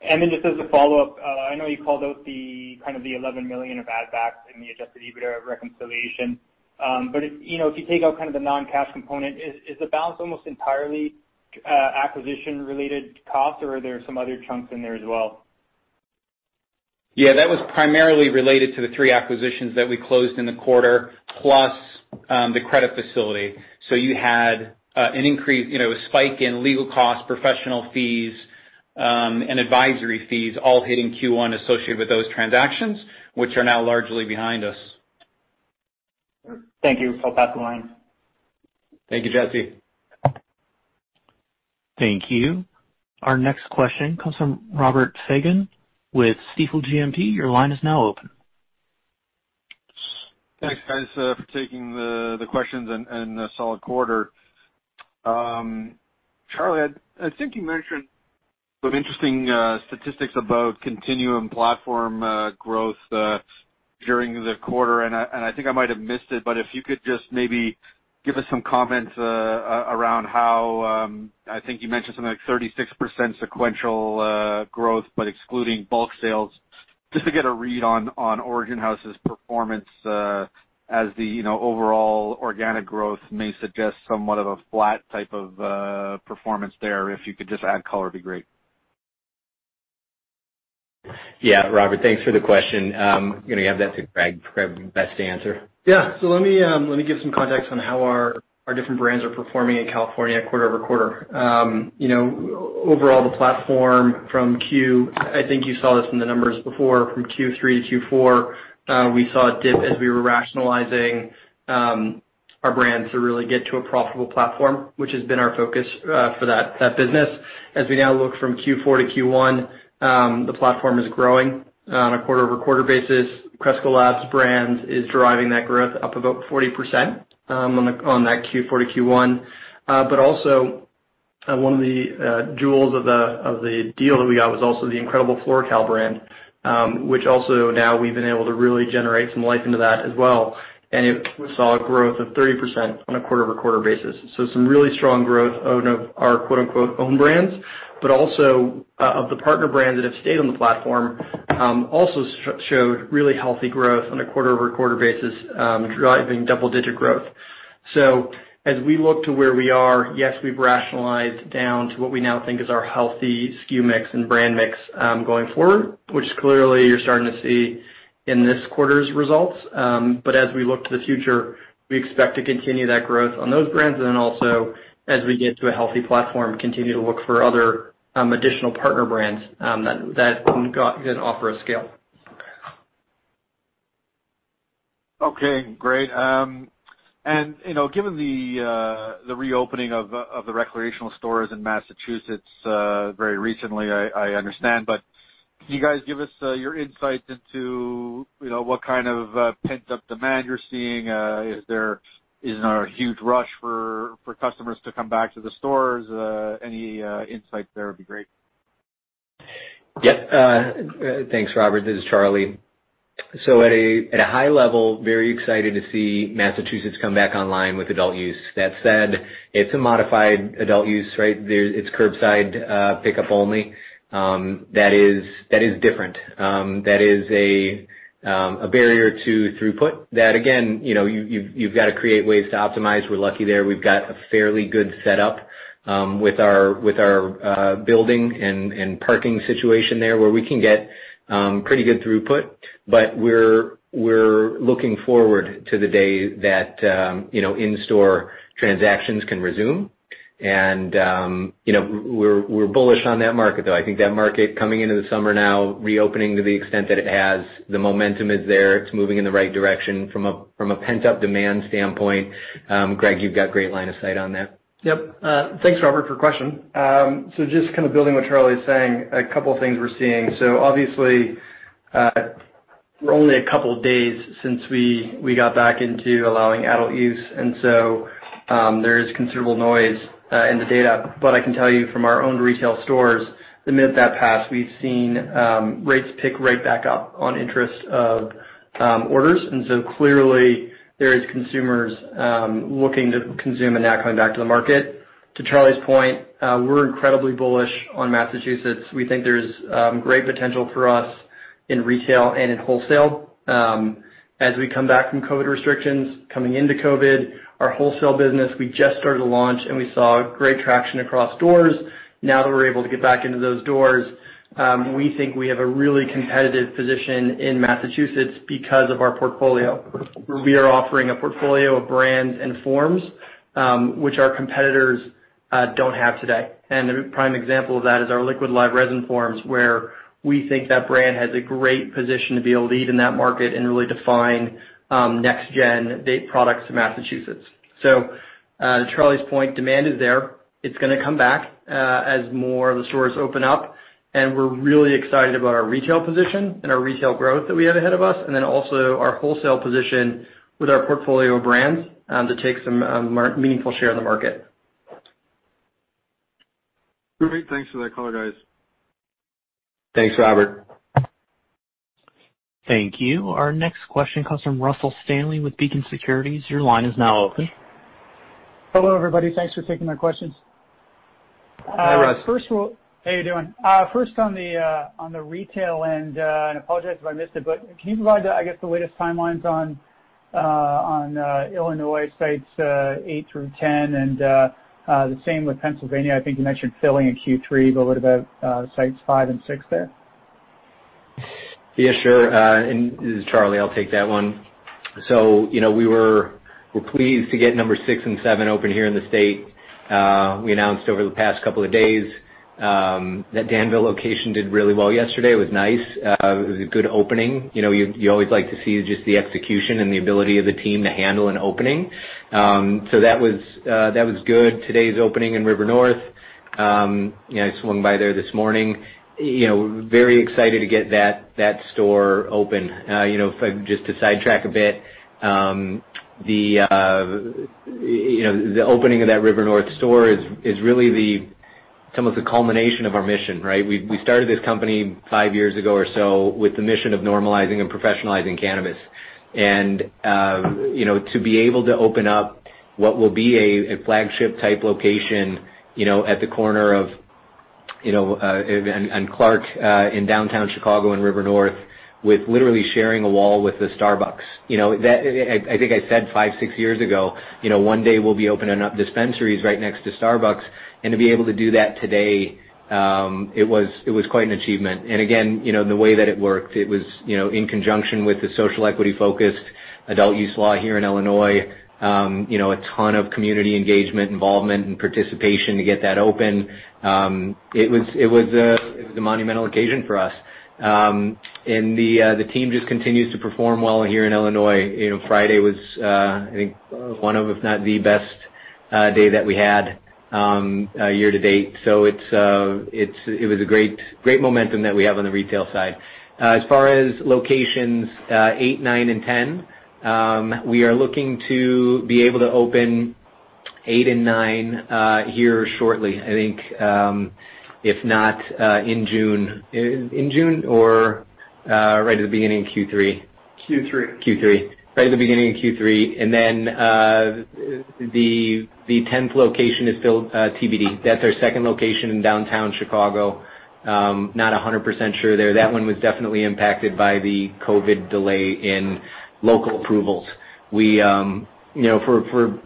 And then just as a follow-up, I know you called out the kind of the $11 million of add backs in the Adjusted EBITDA reconciliation. But, you know, if you take out kind of the non-cash component, is the balance almost entirely acquisition-related costs, or are there some other chunks in there as well? Yeah, that was primarily related to the three acquisitions that we closed in the quarter, plus, the credit facility. So you had an increase, you know, a spike in legal costs, professional fees, and advisory fees, all hitting Q1 associated with those transactions, which are now largely behind us. Thank you. I'll pass the line. Thank you, Jesse. Thank you. Our next question comes from Robert Fagan with Stifel GMP. Your line is now open. Thanks, guys, for taking the questions and a solid quarter. Charlie, I think you mentioned some interesting statistics about Continuum platform growth during the quarter, and I think I might have missed it, but if you could just maybe give us some comments around how... I think you mentioned something like 36% sequential growth, but excluding bulk sales, just to get a read on Origin House's performance, as you know, overall organic growth may suggest somewhat of a flat type of performance there. If you could just add color, it'd be great. Yeah, Robert, thanks for the question. I'm gonna hand that to Greg, Greg, best to answer. Yeah. So let me give some context on how our different brands are performing in California quarter-over-quarter. You know, overall, the platform from Q, I think you saw this in the numbers before, from Q3 to Q4, we saw a dip as we were rationalizing our brands to really get to a profitable platform, which has been our focus for that business. As we now look from Q4 to Q1, the platform is growing on a quarter-over-quarter basis. Cresco Labs brand is driving that growth up about 40% on that Q4 to Q1. But also, one of the jewels of the deal that we got was also the incredible FloraCal brand, which also now we've been able to really generate some life into that as well. We saw a growth of 30% on a quarter-over-quarter basis. So some really strong growth out of our quote-unquote "own brands," but also of the partner brands that have stayed on the platform also showed really healthy growth on a quarter-over-quarter basis, driving double-digit growth. So as we look to where we are, yes, we've rationalized down to what we now think is our healthy SKU mix and brand mix, going forward, which clearly you're starting to see in this quarter's results. But as we look to the future, we expect to continue that growth on those brands, and then also, as we get to a healthy platform, continue to look for other additional partner brands that can offer a scale. Okay, great. And, you know, given the reopening of the recreational stores in Massachusetts very recently, I understand, but can you guys give us your insights into, you know, what kind of pent-up demand you're seeing? Is there a huge rush for customers to come back to the stores? Any insight there would be great. Yep. Thanks, Robert. This is Charlie. So at a high level, very excited to see Massachusetts come back online with adult use. That said, it's a modified adult use, right? It's curbside pickup only. That is different. That is a barrier to throughput. That again, you know, you've gotta create ways to optimize. We're lucky there. We've got a fairly good setup with our building and parking situation there, where we can get pretty good throughput. But we're looking forward to the day that, you know, in-store transactions can resume. And, you know, we're bullish on that market, though. I think that market coming into the summer now, reopening to the extent that it has, the momentum is there. It's moving in the right direction from a pent-up demand standpoint. Greg, you've got great line of sight on that. Yep. Thanks, Robert, for question. So just kind of building what Charlie is saying, a couple of things we're seeing. So obviously, we're only a couple of days since we got back into allowing adult use, and so there is considerable noise in the data. But I can tell you from our own retail stores, the minute that passed, we've seen rates pick right back up on interest of orders. And so clearly, there is consumers looking to consume and now coming back to the market. To Charlie's point, we're incredibly bullish on Massachusetts. We think there's great potential for us in retail and in wholesale. As we come back from COVID restrictions, coming into COVID, our wholesale business, we just started to launch, and we saw great traction across doors. Now that we're able to get back into those doors, we think we have a really competitive position in Massachusetts because of our portfolio, where we are offering a portfolio of brands and forms, which our competitors don't have today. And the prime example of that is our Liquid Live Resin forms, where we think that brand has a great position to be a leader in that market and really define next-gen vape products to Massachusetts. So, to Charlie's point, demand is there. It's gonna come back as more of the stores open up, and we're really excited about our retail position and our retail growth that we have ahead of us, and then also our wholesale position with our portfolio of brands to take some meaningful share of the market. Great. Thanks for that color, guys. Thanks, Robert. Thank you. Our next question comes from Russell Stanley with Beacon Securities. Your line is now open. Hello, everybody. Thanks for taking my questions. Hi, Russ. First of all... How are you doing? First on the retail end, and I apologize if I missed it, but can you provide, I guess, the latest timelines on Illinois sites eight through 10, and the same with Pennsylvania? I think you mentioned filling in Q3, but what about sites five and six there? Yeah, sure, and this is Charlie, I'll take that one. So, you know, we're pleased to get number six and seven open here in the state. We announced over the past couple of days that Danville location did really well yesterday. It was nice. It was a good opening. You know, you always like to see just the execution and the ability of the team to handle an opening. So that was good. Today's opening in River North, you know, I swung by there this morning, you know, very excited to get that store open. You know, if I just to sidetrack a bit, you know, the opening of that River North store is really the sum of the culmination of our mission, right? We started this company five years ago or so with the mission of normalizing and professionalizing cannabis, and you know, to be able to open up what will be a flagship type location, you know, at the corner of State and Clark in downtown Chicago and River North, with literally sharing a wall with the Starbucks. You know, that, I think I said five, six years ago, you know, one day we'll be opening up dispensaries right next to Starbucks, and to be able to do that today, it was quite an achievement, and again, you know, the way that it worked, it was, you know, in conjunction with the social equity-focused adult-use law here in Illinois, you know, a ton of community engagement, involvement, and participation to get that open. It was a monumental occasion for us, and the team just continues to perform well here in Illinois. You know, Friday was, I think, one of, if not, the best day that we had year to date. So it was a great, great momentum that we have on the retail side. As far as locations, eight, nine, and ten, we are looking to be able to open eight and nine here shortly, I think, if not in June. In June or right at the beginning of Q3? Q3. Q3. Right at the beginning of Q3. And then, the tenth location is still TBD. That's our second location in downtown Chicago. Not 100% sure there. That one was definitely impacted by the COVID delay in local approvals. We, you know,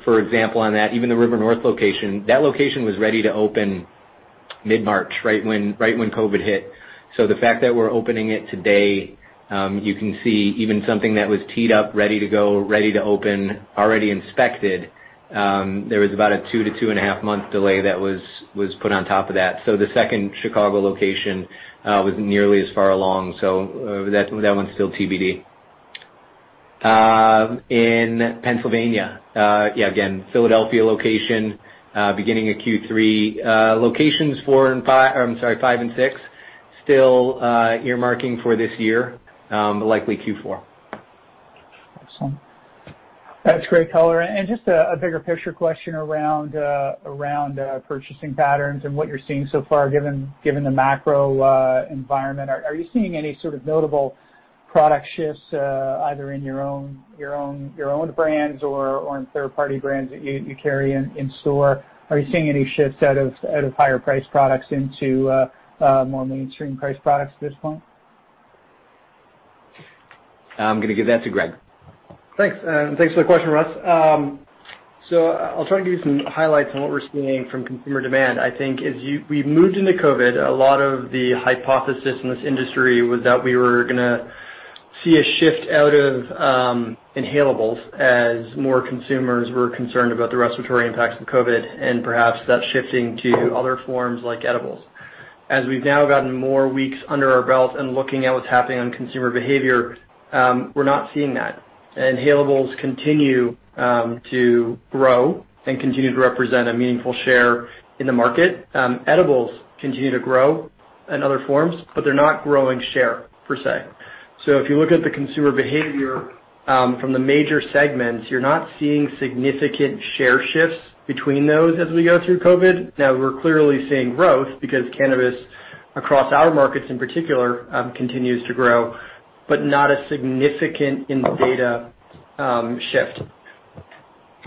for example, on that, even the River North location, that location was ready to open mid-March, right when COVID hit. So the fact that we're opening it today, you can see even something that was teed up, ready to go, ready to open, already inspected, there was about a 2-2.5-month delay that was put on top of that. So the second Chicago location was nearly as far along, so that one's still TBD. In Pennsylvania, again, Philadelphia location, beginning of Q3, locations four and five, I'm sorry, five and six, still earmarking for this year, likely Q4. Awesome. That's great color. And just a bigger picture question around purchasing patterns and what you're seeing so far, given the macro environment. Are you seeing any sort of notable product shifts, either in your own brands or in third-party brands that you carry in store? Are you seeing any shifts out of higher priced products into more mainstream priced products at this point? I'm gonna give that to Greg. Thanks. Thanks for the question, Russ. So I'll try to give you some highlights on what we're seeing from consumer demand. I think we moved into COVID, a lot of the hypothesis in this industry was that we were gonna see a shift out of inhalables as more consumers were concerned about the respiratory impacts of COVID, and perhaps that's shifting to other forms like edibles. As we've now gotten more weeks under our belt and looking at what's happening on consumer behavior, we're not seeing that. Inhalables continue to grow and continue to represent a meaningful share in the market. Edibles continue to grow in other forms, but they're not growing share, per se. So if you look at the consumer behavior from the major segments, you're not seeing significant share shifts between those as we go through COVID. Now, we're clearly seeing growth because cannabis, across our markets in particular, continues to grow, but not a significant shift.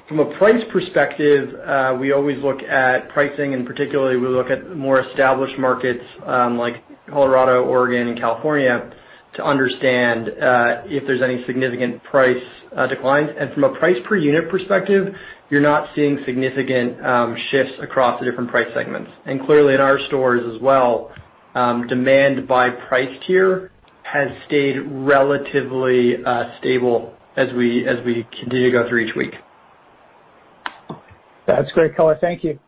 From a price perspective, we always look at pricing, and particularly, we look at more established markets, like Colorado, Oregon, and California, to understand if there's any significant price declines. And clearly, in our stores as well, demand by price tier has stayed relatively stable as we continue to go through each week. That's great color. Thank you.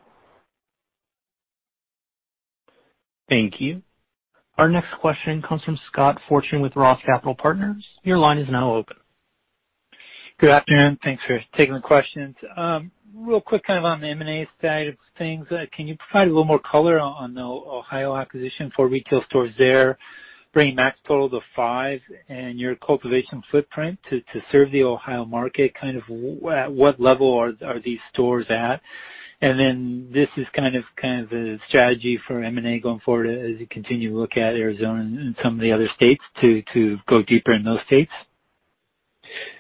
Thank you. Our next question comes from Scott Fortune with Roth Capital Partners. Your line is now open. Good afternoon. Thanks for taking the questions. Real quick, kind of on the M&A side of things, can you provide a little more color on the Ohio acquisition for retail stores there, bringing max total to five, and your cultivation footprint to serve the Ohio market? Kind of at what level are these stores at? And then, this is kind of the strategy for M&A going forward as you continue to look at Arizona and some of the other states, to go deeper in those states.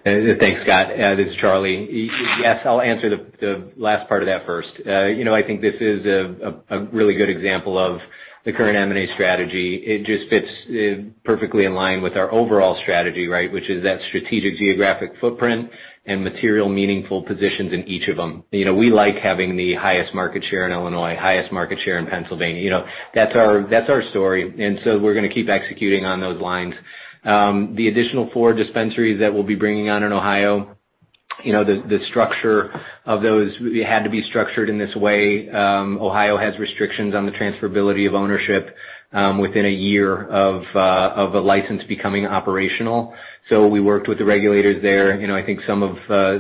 Thanks, Scott. This is Charlie. Yes, I'll answer the last part of that first. You know, I think this is a really good example of the current M&A strategy. It just fits perfectly in line with our overall strategy, right? Which is that strategic geographic footprint and material meaningful positions in each of them. You know, we like having the highest market share in Illinois, highest market share in Pennsylvania. You know, that's our story, and so we're gonna keep executing on those lines. The additional four dispensaries that we'll be bringing on in Ohio, you know, the structure of those, it had to be structured in this way. Ohio has restrictions on the transferability of ownership within a year of a license becoming operational. So we worked with the regulators there. You know, I think some of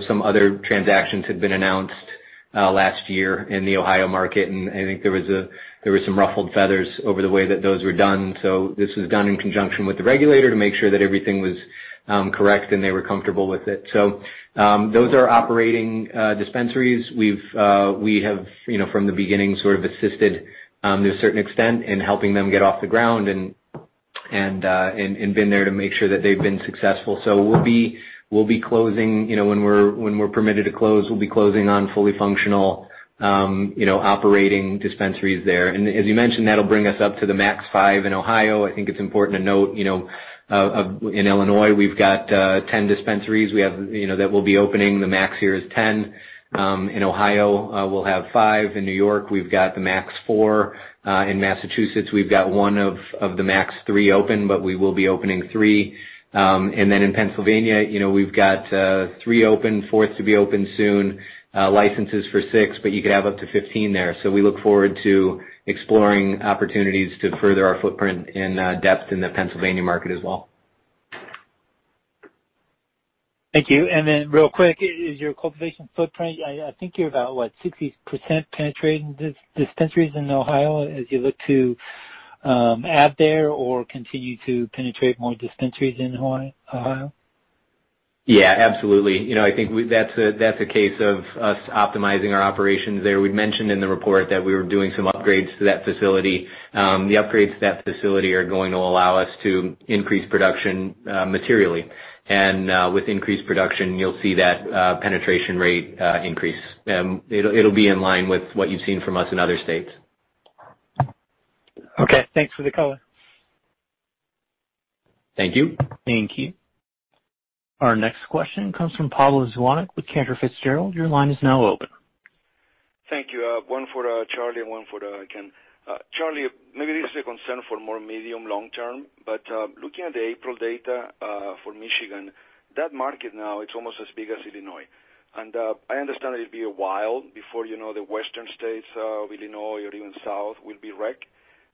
some other transactions had been announced last year in the Ohio market, and I think there were some ruffled feathers over the way that those were done. So this was done in conjunction with the regulator to make sure that everything was correct, and they were comfortable with it. So those are operating dispensaries. We have, you know, from the beginning, sort of assisted to a certain extent in helping them get off the ground and been there to make sure that they've been successful. So we'll be closing, you know, when we're permitted to close, we'll be closing on fully functional, you know, operating dispensaries there. And as you mentioned, that'll bring us up to the max five in Ohio. I think it's important to note, you know, in Illinois, we've got 10 dispensaries. We have, you know, that will be opening, the max here is 10. In Ohio, we'll have five. In New York, we've got the max four. In Massachusetts, we've got one of the max three open, but we will be opening three, and then in Pennsylvania, you know, we've got three open, fourth to be open soon, licenses for six, but you could have up to 15 there. So we look forward to exploring opportunities to further our footprint and depth in the Pennsylvania market as well. Thank you. And then real quick, is your cultivation footprint, I think you're about, what, 60% penetrating dispensaries in Ohio as you look to add there or continue to penetrate more dispensaries in Ohio? Yeah, absolutely. You know, I think that's a case of us optimizing our operations there. We'd mentioned in the report that we were doing some upgrades to that facility. The upgrades to that facility are going to allow us to increase production materially, and with increased production, you'll see that penetration rate increase. It'll be in line with what you've seen from us in other states. Okay, thanks for the color. Thank you. Thank you. Our next question comes from Pablo Zuanic with Cantor Fitzgerald. Your line is now open. Thank you. One for Charlie and one for Ken. Charlie, maybe this is a concern for more medium, long term, but looking at the April data for Michigan, that market now is almost as big as Illinois, and I understand it'll be a while before, you know, the western states of Illinois or even south will be rec,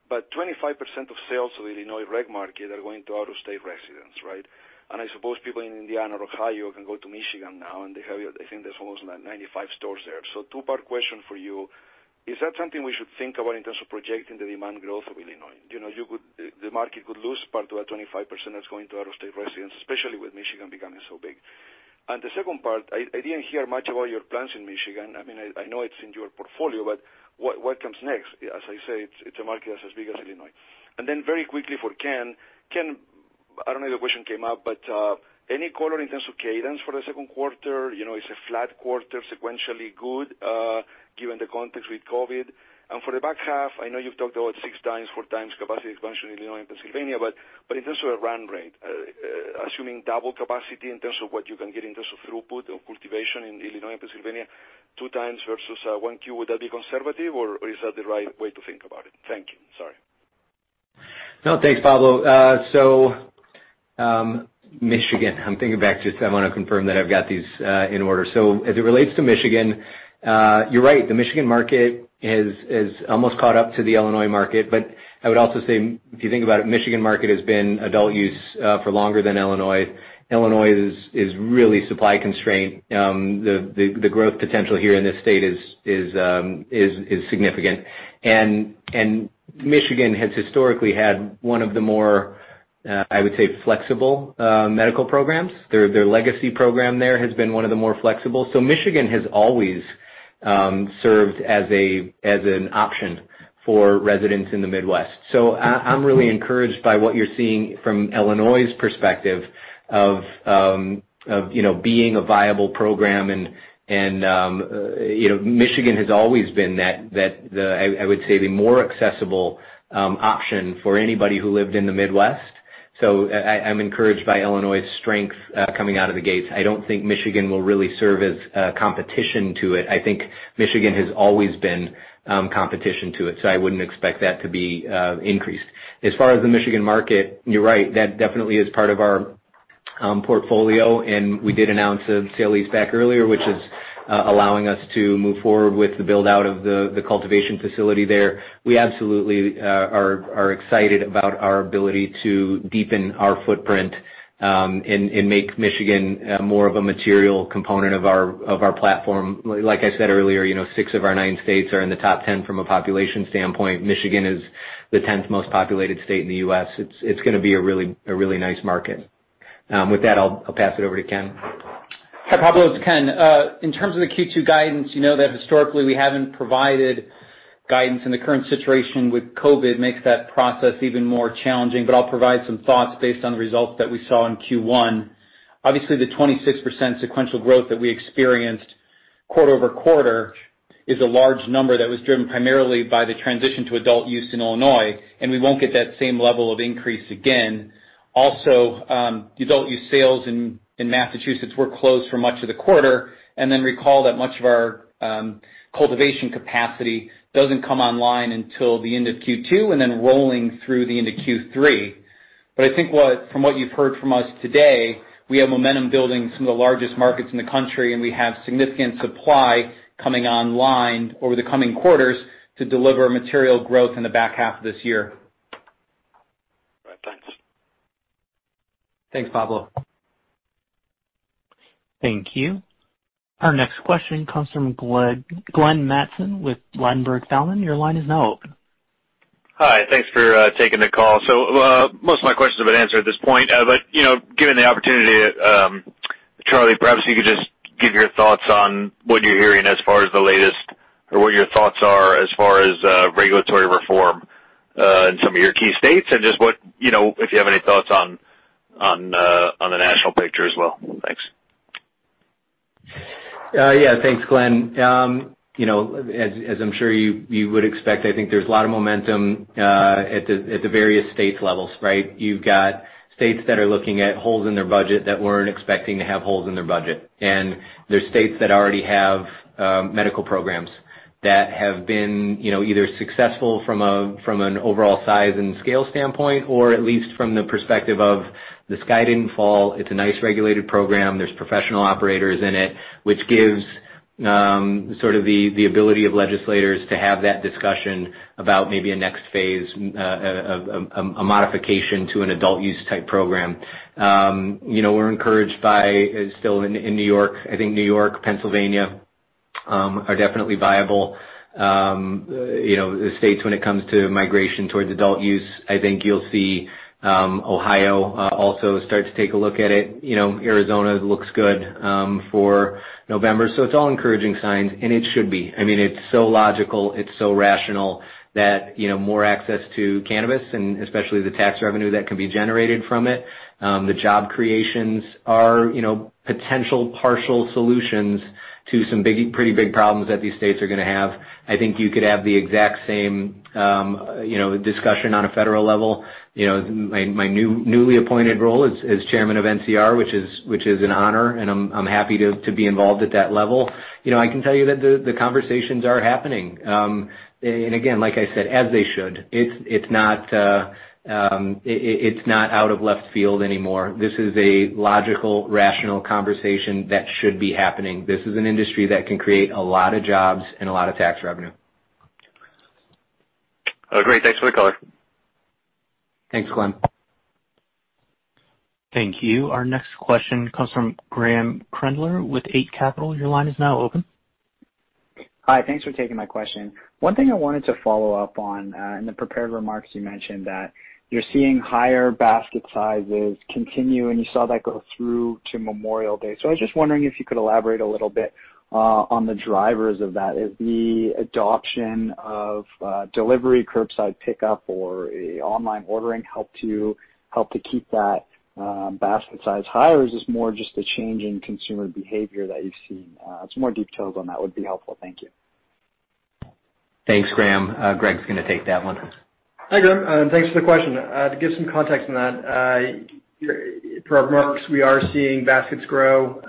but 25% of sales to the Illinois rec market are going to out-of-state residents, right, and I suppose people in Indiana or Ohio can go to Michigan now, and they have, I think there's almost 95 stores there, so two-part question for you: Is that something we should think about in terms of projecting the demand growth of Illinois? You know, you could... The market could lose part of that 25% that's going to out-of-state residents, especially with Michigan becoming so big. And the second part, I didn't hear much about your plans in Michigan. I mean, I know it's in your portfolio, but what comes next? As I say, it's a market that's as big as Illinois. And then very quickly for Ken. Ken, I don't know if the question came up, but any color in terms of cadence for the second quarter? You know, it's a flat quarter, sequentially good, given the context with COVID. And for the back half, I know you've talked about six times, four times capacity expansion in Illinois and Pennsylvania, but in terms of a run rate, assuming double capacity in terms of what you can get in terms of throughput or cultivation in Illinois and Pennsylvania, two times versus Q1, would that be conservative, or is that the right way to think about it? Thank you. Sorry. No, thanks, Pablo. So, Michigan, I'm thinking back just I want to confirm that I've got these in order. So as it relates to Michigan, you're right, the Michigan market has almost caught up to the Illinois market. But I would also say, if you think about it, Michigan market has been adult use for longer than Illinois. Illinois is really supply constrained. The growth potential here in this state is significant. And Michigan has historically had one of the more, I would say, flexible medical programs. Their legacy program there has been one of the more flexible. So Michigan has always served as an option for residents in the Midwest. So I'm really encouraged by what you're seeing from Illinois's perspective of you know being a viable program. And you know Michigan has always been that the I would say the more accessible option for anybody who lived in the Midwest. So I'm encouraged by Illinois's strength coming out of the gates. I don't think Michigan will really serve as competition to it. I think Michigan has always been competition to it, so I wouldn't expect that to be increased. As far as the Michigan market, you're right, that definitely is part of our portfolio, and we did announce a sale-leaseback earlier, which is allowing us to move forward with the build-out of the cultivation facility there. We absolutely are excited about our ability to deepen our footprint and make Michigan more of a material component of our platform. Like I said earlier, you know, six of our nine states are in the top 10 from a population standpoint. Michigan is the tenth most populated state in the U.S. It's gonna be a really nice market. With that, I'll pass it over to Ken. Hi, Pablo, it's Ken. In terms of the Q2 guidance, you know that historically we haven't provided guidance, and the current situation with COVID makes that process even more challenging, but I'll provide some thoughts based on the results that we saw in Q1. Obviously, the 26% sequential growth that we experienced quarter-over-quarter is a large number that was driven primarily by the transition to adult use in Illinois, and we won't get that same level of increase again. Also, the adult use sales in Massachusetts were closed for much of the quarter, and then recall that much of our cultivation capacity doesn't come online until the end of Q2, and then rolling through the end of Q3. But I think from what you've heard from us today, we have momentum building some of the largest markets in the country, and we have significant supply coming online over the coming quarters to deliver material growth in the back half of this year. All right, thanks. Thanks, Pablo. Thank you. Our next question comes from Glenn Mattson with Ladenburg Thalmann. Your line is now open. Hi, thanks for taking the call. So, most of my questions have been answered at this point, but, you know, given the opportunity, Charlie, perhaps you could just give your thoughts on what you're hearing as far as the latest or what your thoughts are as far as regulatory reform in some of your key states, and just what, you know, if you have any thoughts on the national picture as well. Thanks. Yeah, thanks, Glenn. You know, as I'm sure you would expect, I think there's a lot of momentum at the various state levels, right? You've got states that are looking at holes in their budget that weren't expecting to have holes in their budget. And there's states that already have medical programs that have been, you know, either successful from an overall size and scale standpoint, or at least from the perspective of the sky didn't fall, it's a nice, regulated program, there's professional operators in it, which gives sort of the ability of legislators to have that discussion about maybe a next phase, a modification to an adult use type program. You know, we're encouraged by still in New York. I think New York, Pennsylvania, are definitely viable, you know, states when it comes to migration towards adult use. I think you'll see, Ohio, also start to take a look at it. You know, Arizona looks good, for November. So it's all encouraging signs, and it should be. I mean, it's so logical, it's so rational that, you know, more access to cannabis, and especially the tax revenue that can be generated from it, the job creations are, you know, potential partial solutions to some biggie, pretty big problems that these states are gonna have. I think you could have the exact same, you know, discussion on a federal level. You know, my newly appointed role as chairman of NCR, which is an honor, and I'm happy to be involved at that level. You know, I can tell you that the conversations are happening, and again, like I said, as they should. It's not out of left field anymore. This is a logical, rational conversation that should be happening. This is an industry that can create a lot of jobs and a lot of tax revenue. Oh, great. Thanks for the color. Thanks, Glenn. Thank you. Our next question comes from Graeme Kreindler with Eight Capital. Your line is now open. Hi, thanks for taking my question. One thing I wanted to follow up on, in the prepared remarks, you mentioned that you're seeing higher basket sizes continue, and you saw that go through to Memorial Day. So I was just wondering if you could elaborate a little bit, on the drivers of that. Is the adoption of, delivery, curbside pickup, or online ordering helped to keep that, basket size higher, or is this more just a change in consumer behavior that you've seen? Some more details on that would be helpful. Thank you. Thanks, Graeme. Greg's gonna take that one. Hi, Graeme, thanks for the question. To give some context on that, through our markets, we are seeing baskets grow.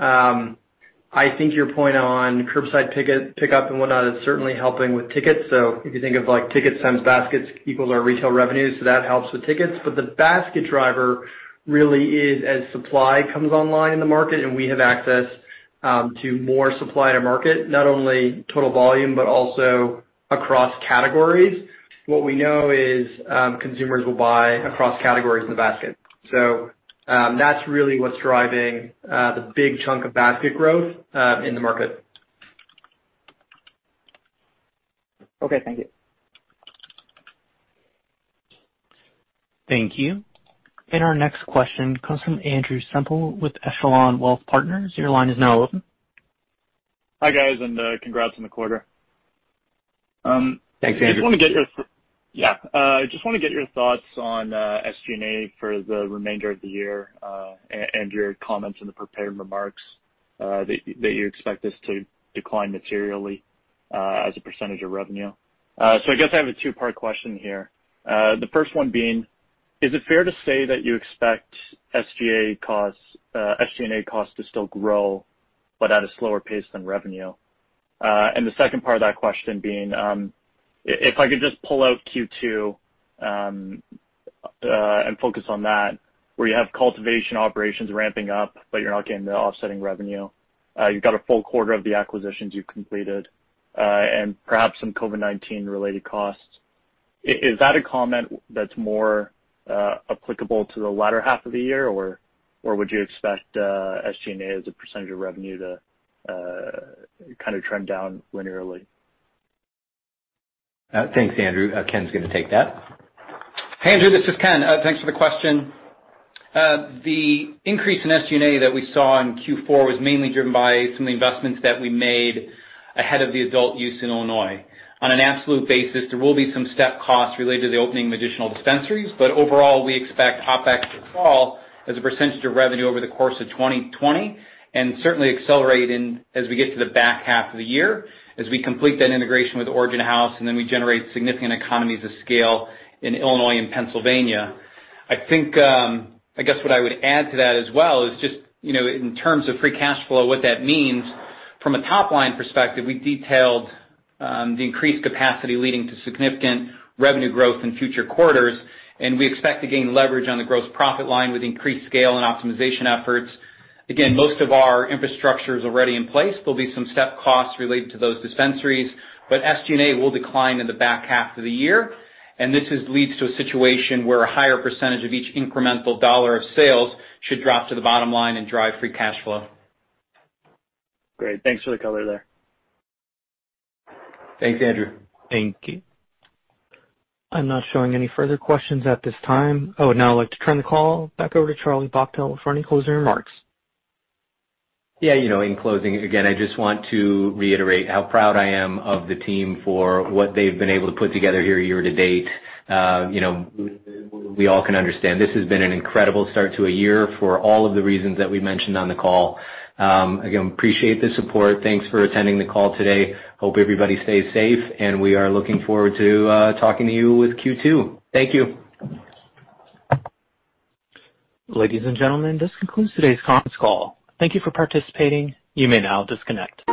I think your point on curbside pickup and whatnot is certainly helping with tickets. So if you think of, like, tickets times baskets equals our retail revenues, so that helps with tickets. But the basket driver really is as supply comes online in the market, and we have access to more supply to market, not only total volume, but also across categories. What we know is, consumers will buy across categories in the basket. So, that's really what's driving the big chunk of basket growth in the market. Okay, thank you. Thank you. And our next question comes from Andrew Semple with Echelon Wealth Partners. Your line is now open. Hi, guys, and congrats on the quarter. Thanks, Andrew. Just wanna get your thoughts on SG&A for the remainder of the year, and your comments in the prepared remarks that you expect this to decline materially as a percentage of revenue. So I guess I have a two-part question here. The first one being: Is it fair to say that you expect SG&A costs to still grow, but at a slower pace than revenue? And the second part of that question being, if I could just pull out Q2 and focus on that, where you have cultivation operations ramping up, but you're not getting the offsetting revenue. You've got a full quarter of the acquisitions you've completed, and perhaps some COVID-19 related costs. Is that a comment that's more applicable to the latter half of the year, or, or would you expect SG&A as a percentage of revenue to kind of trend down linearly? Thanks, Andrew. Ken's gonna take that. Hey, Andrew, this is Ken. Thanks for the question. The increase in SG&A that we saw in Q4 was mainly driven by some of the investments that we made ahead of the adult use in Illinois. On an absolute basis, there will be some step costs related to the opening of additional dispensaries, but overall, we expect OpEx to fall as a percentage of revenue over the course of 2020, and certainly accelerate in as we get to the back half of the year, as we complete that integration with Origin House, and then we generate significant economies of scale in Illinois and Pennsylvania. I think, I guess what I would add to that as well is just, you know, in terms of free cash flow, what that means, from a top-line perspective, we detailed the increased capacity leading to significant revenue growth in future quarters, and we expect to gain leverage on the gross profit line with increased scale and optimization efforts. Again, most of our infrastructure is already in place. There'll be some step costs related to those dispensaries, but SG&A will decline in the back half of the year, and this leads to a situation where a higher percentage of each incremental dollar of sales should drop to the bottom line and drive free cash flow. Great. Thanks for the color there. Thanks, Andrew. Thank you. I'm not showing any further questions at this time. I would now like to turn the call back over to Charlie Bachtell for any closing remarks. Yeah, you know, in closing, again, I just want to reiterate how proud I am of the team for what they've been able to put together here year to date. You know, we all can understand this has been an incredible start to a year for all of the reasons that we mentioned on the call. Again, appreciate the support. Thanks for attending the call today. Hope everybody stays safe, and we are looking forward to talking to you with Q2. Thank you. Ladies and gentlemen, this concludes today's conference call. Thank you for participating. You may now disconnect.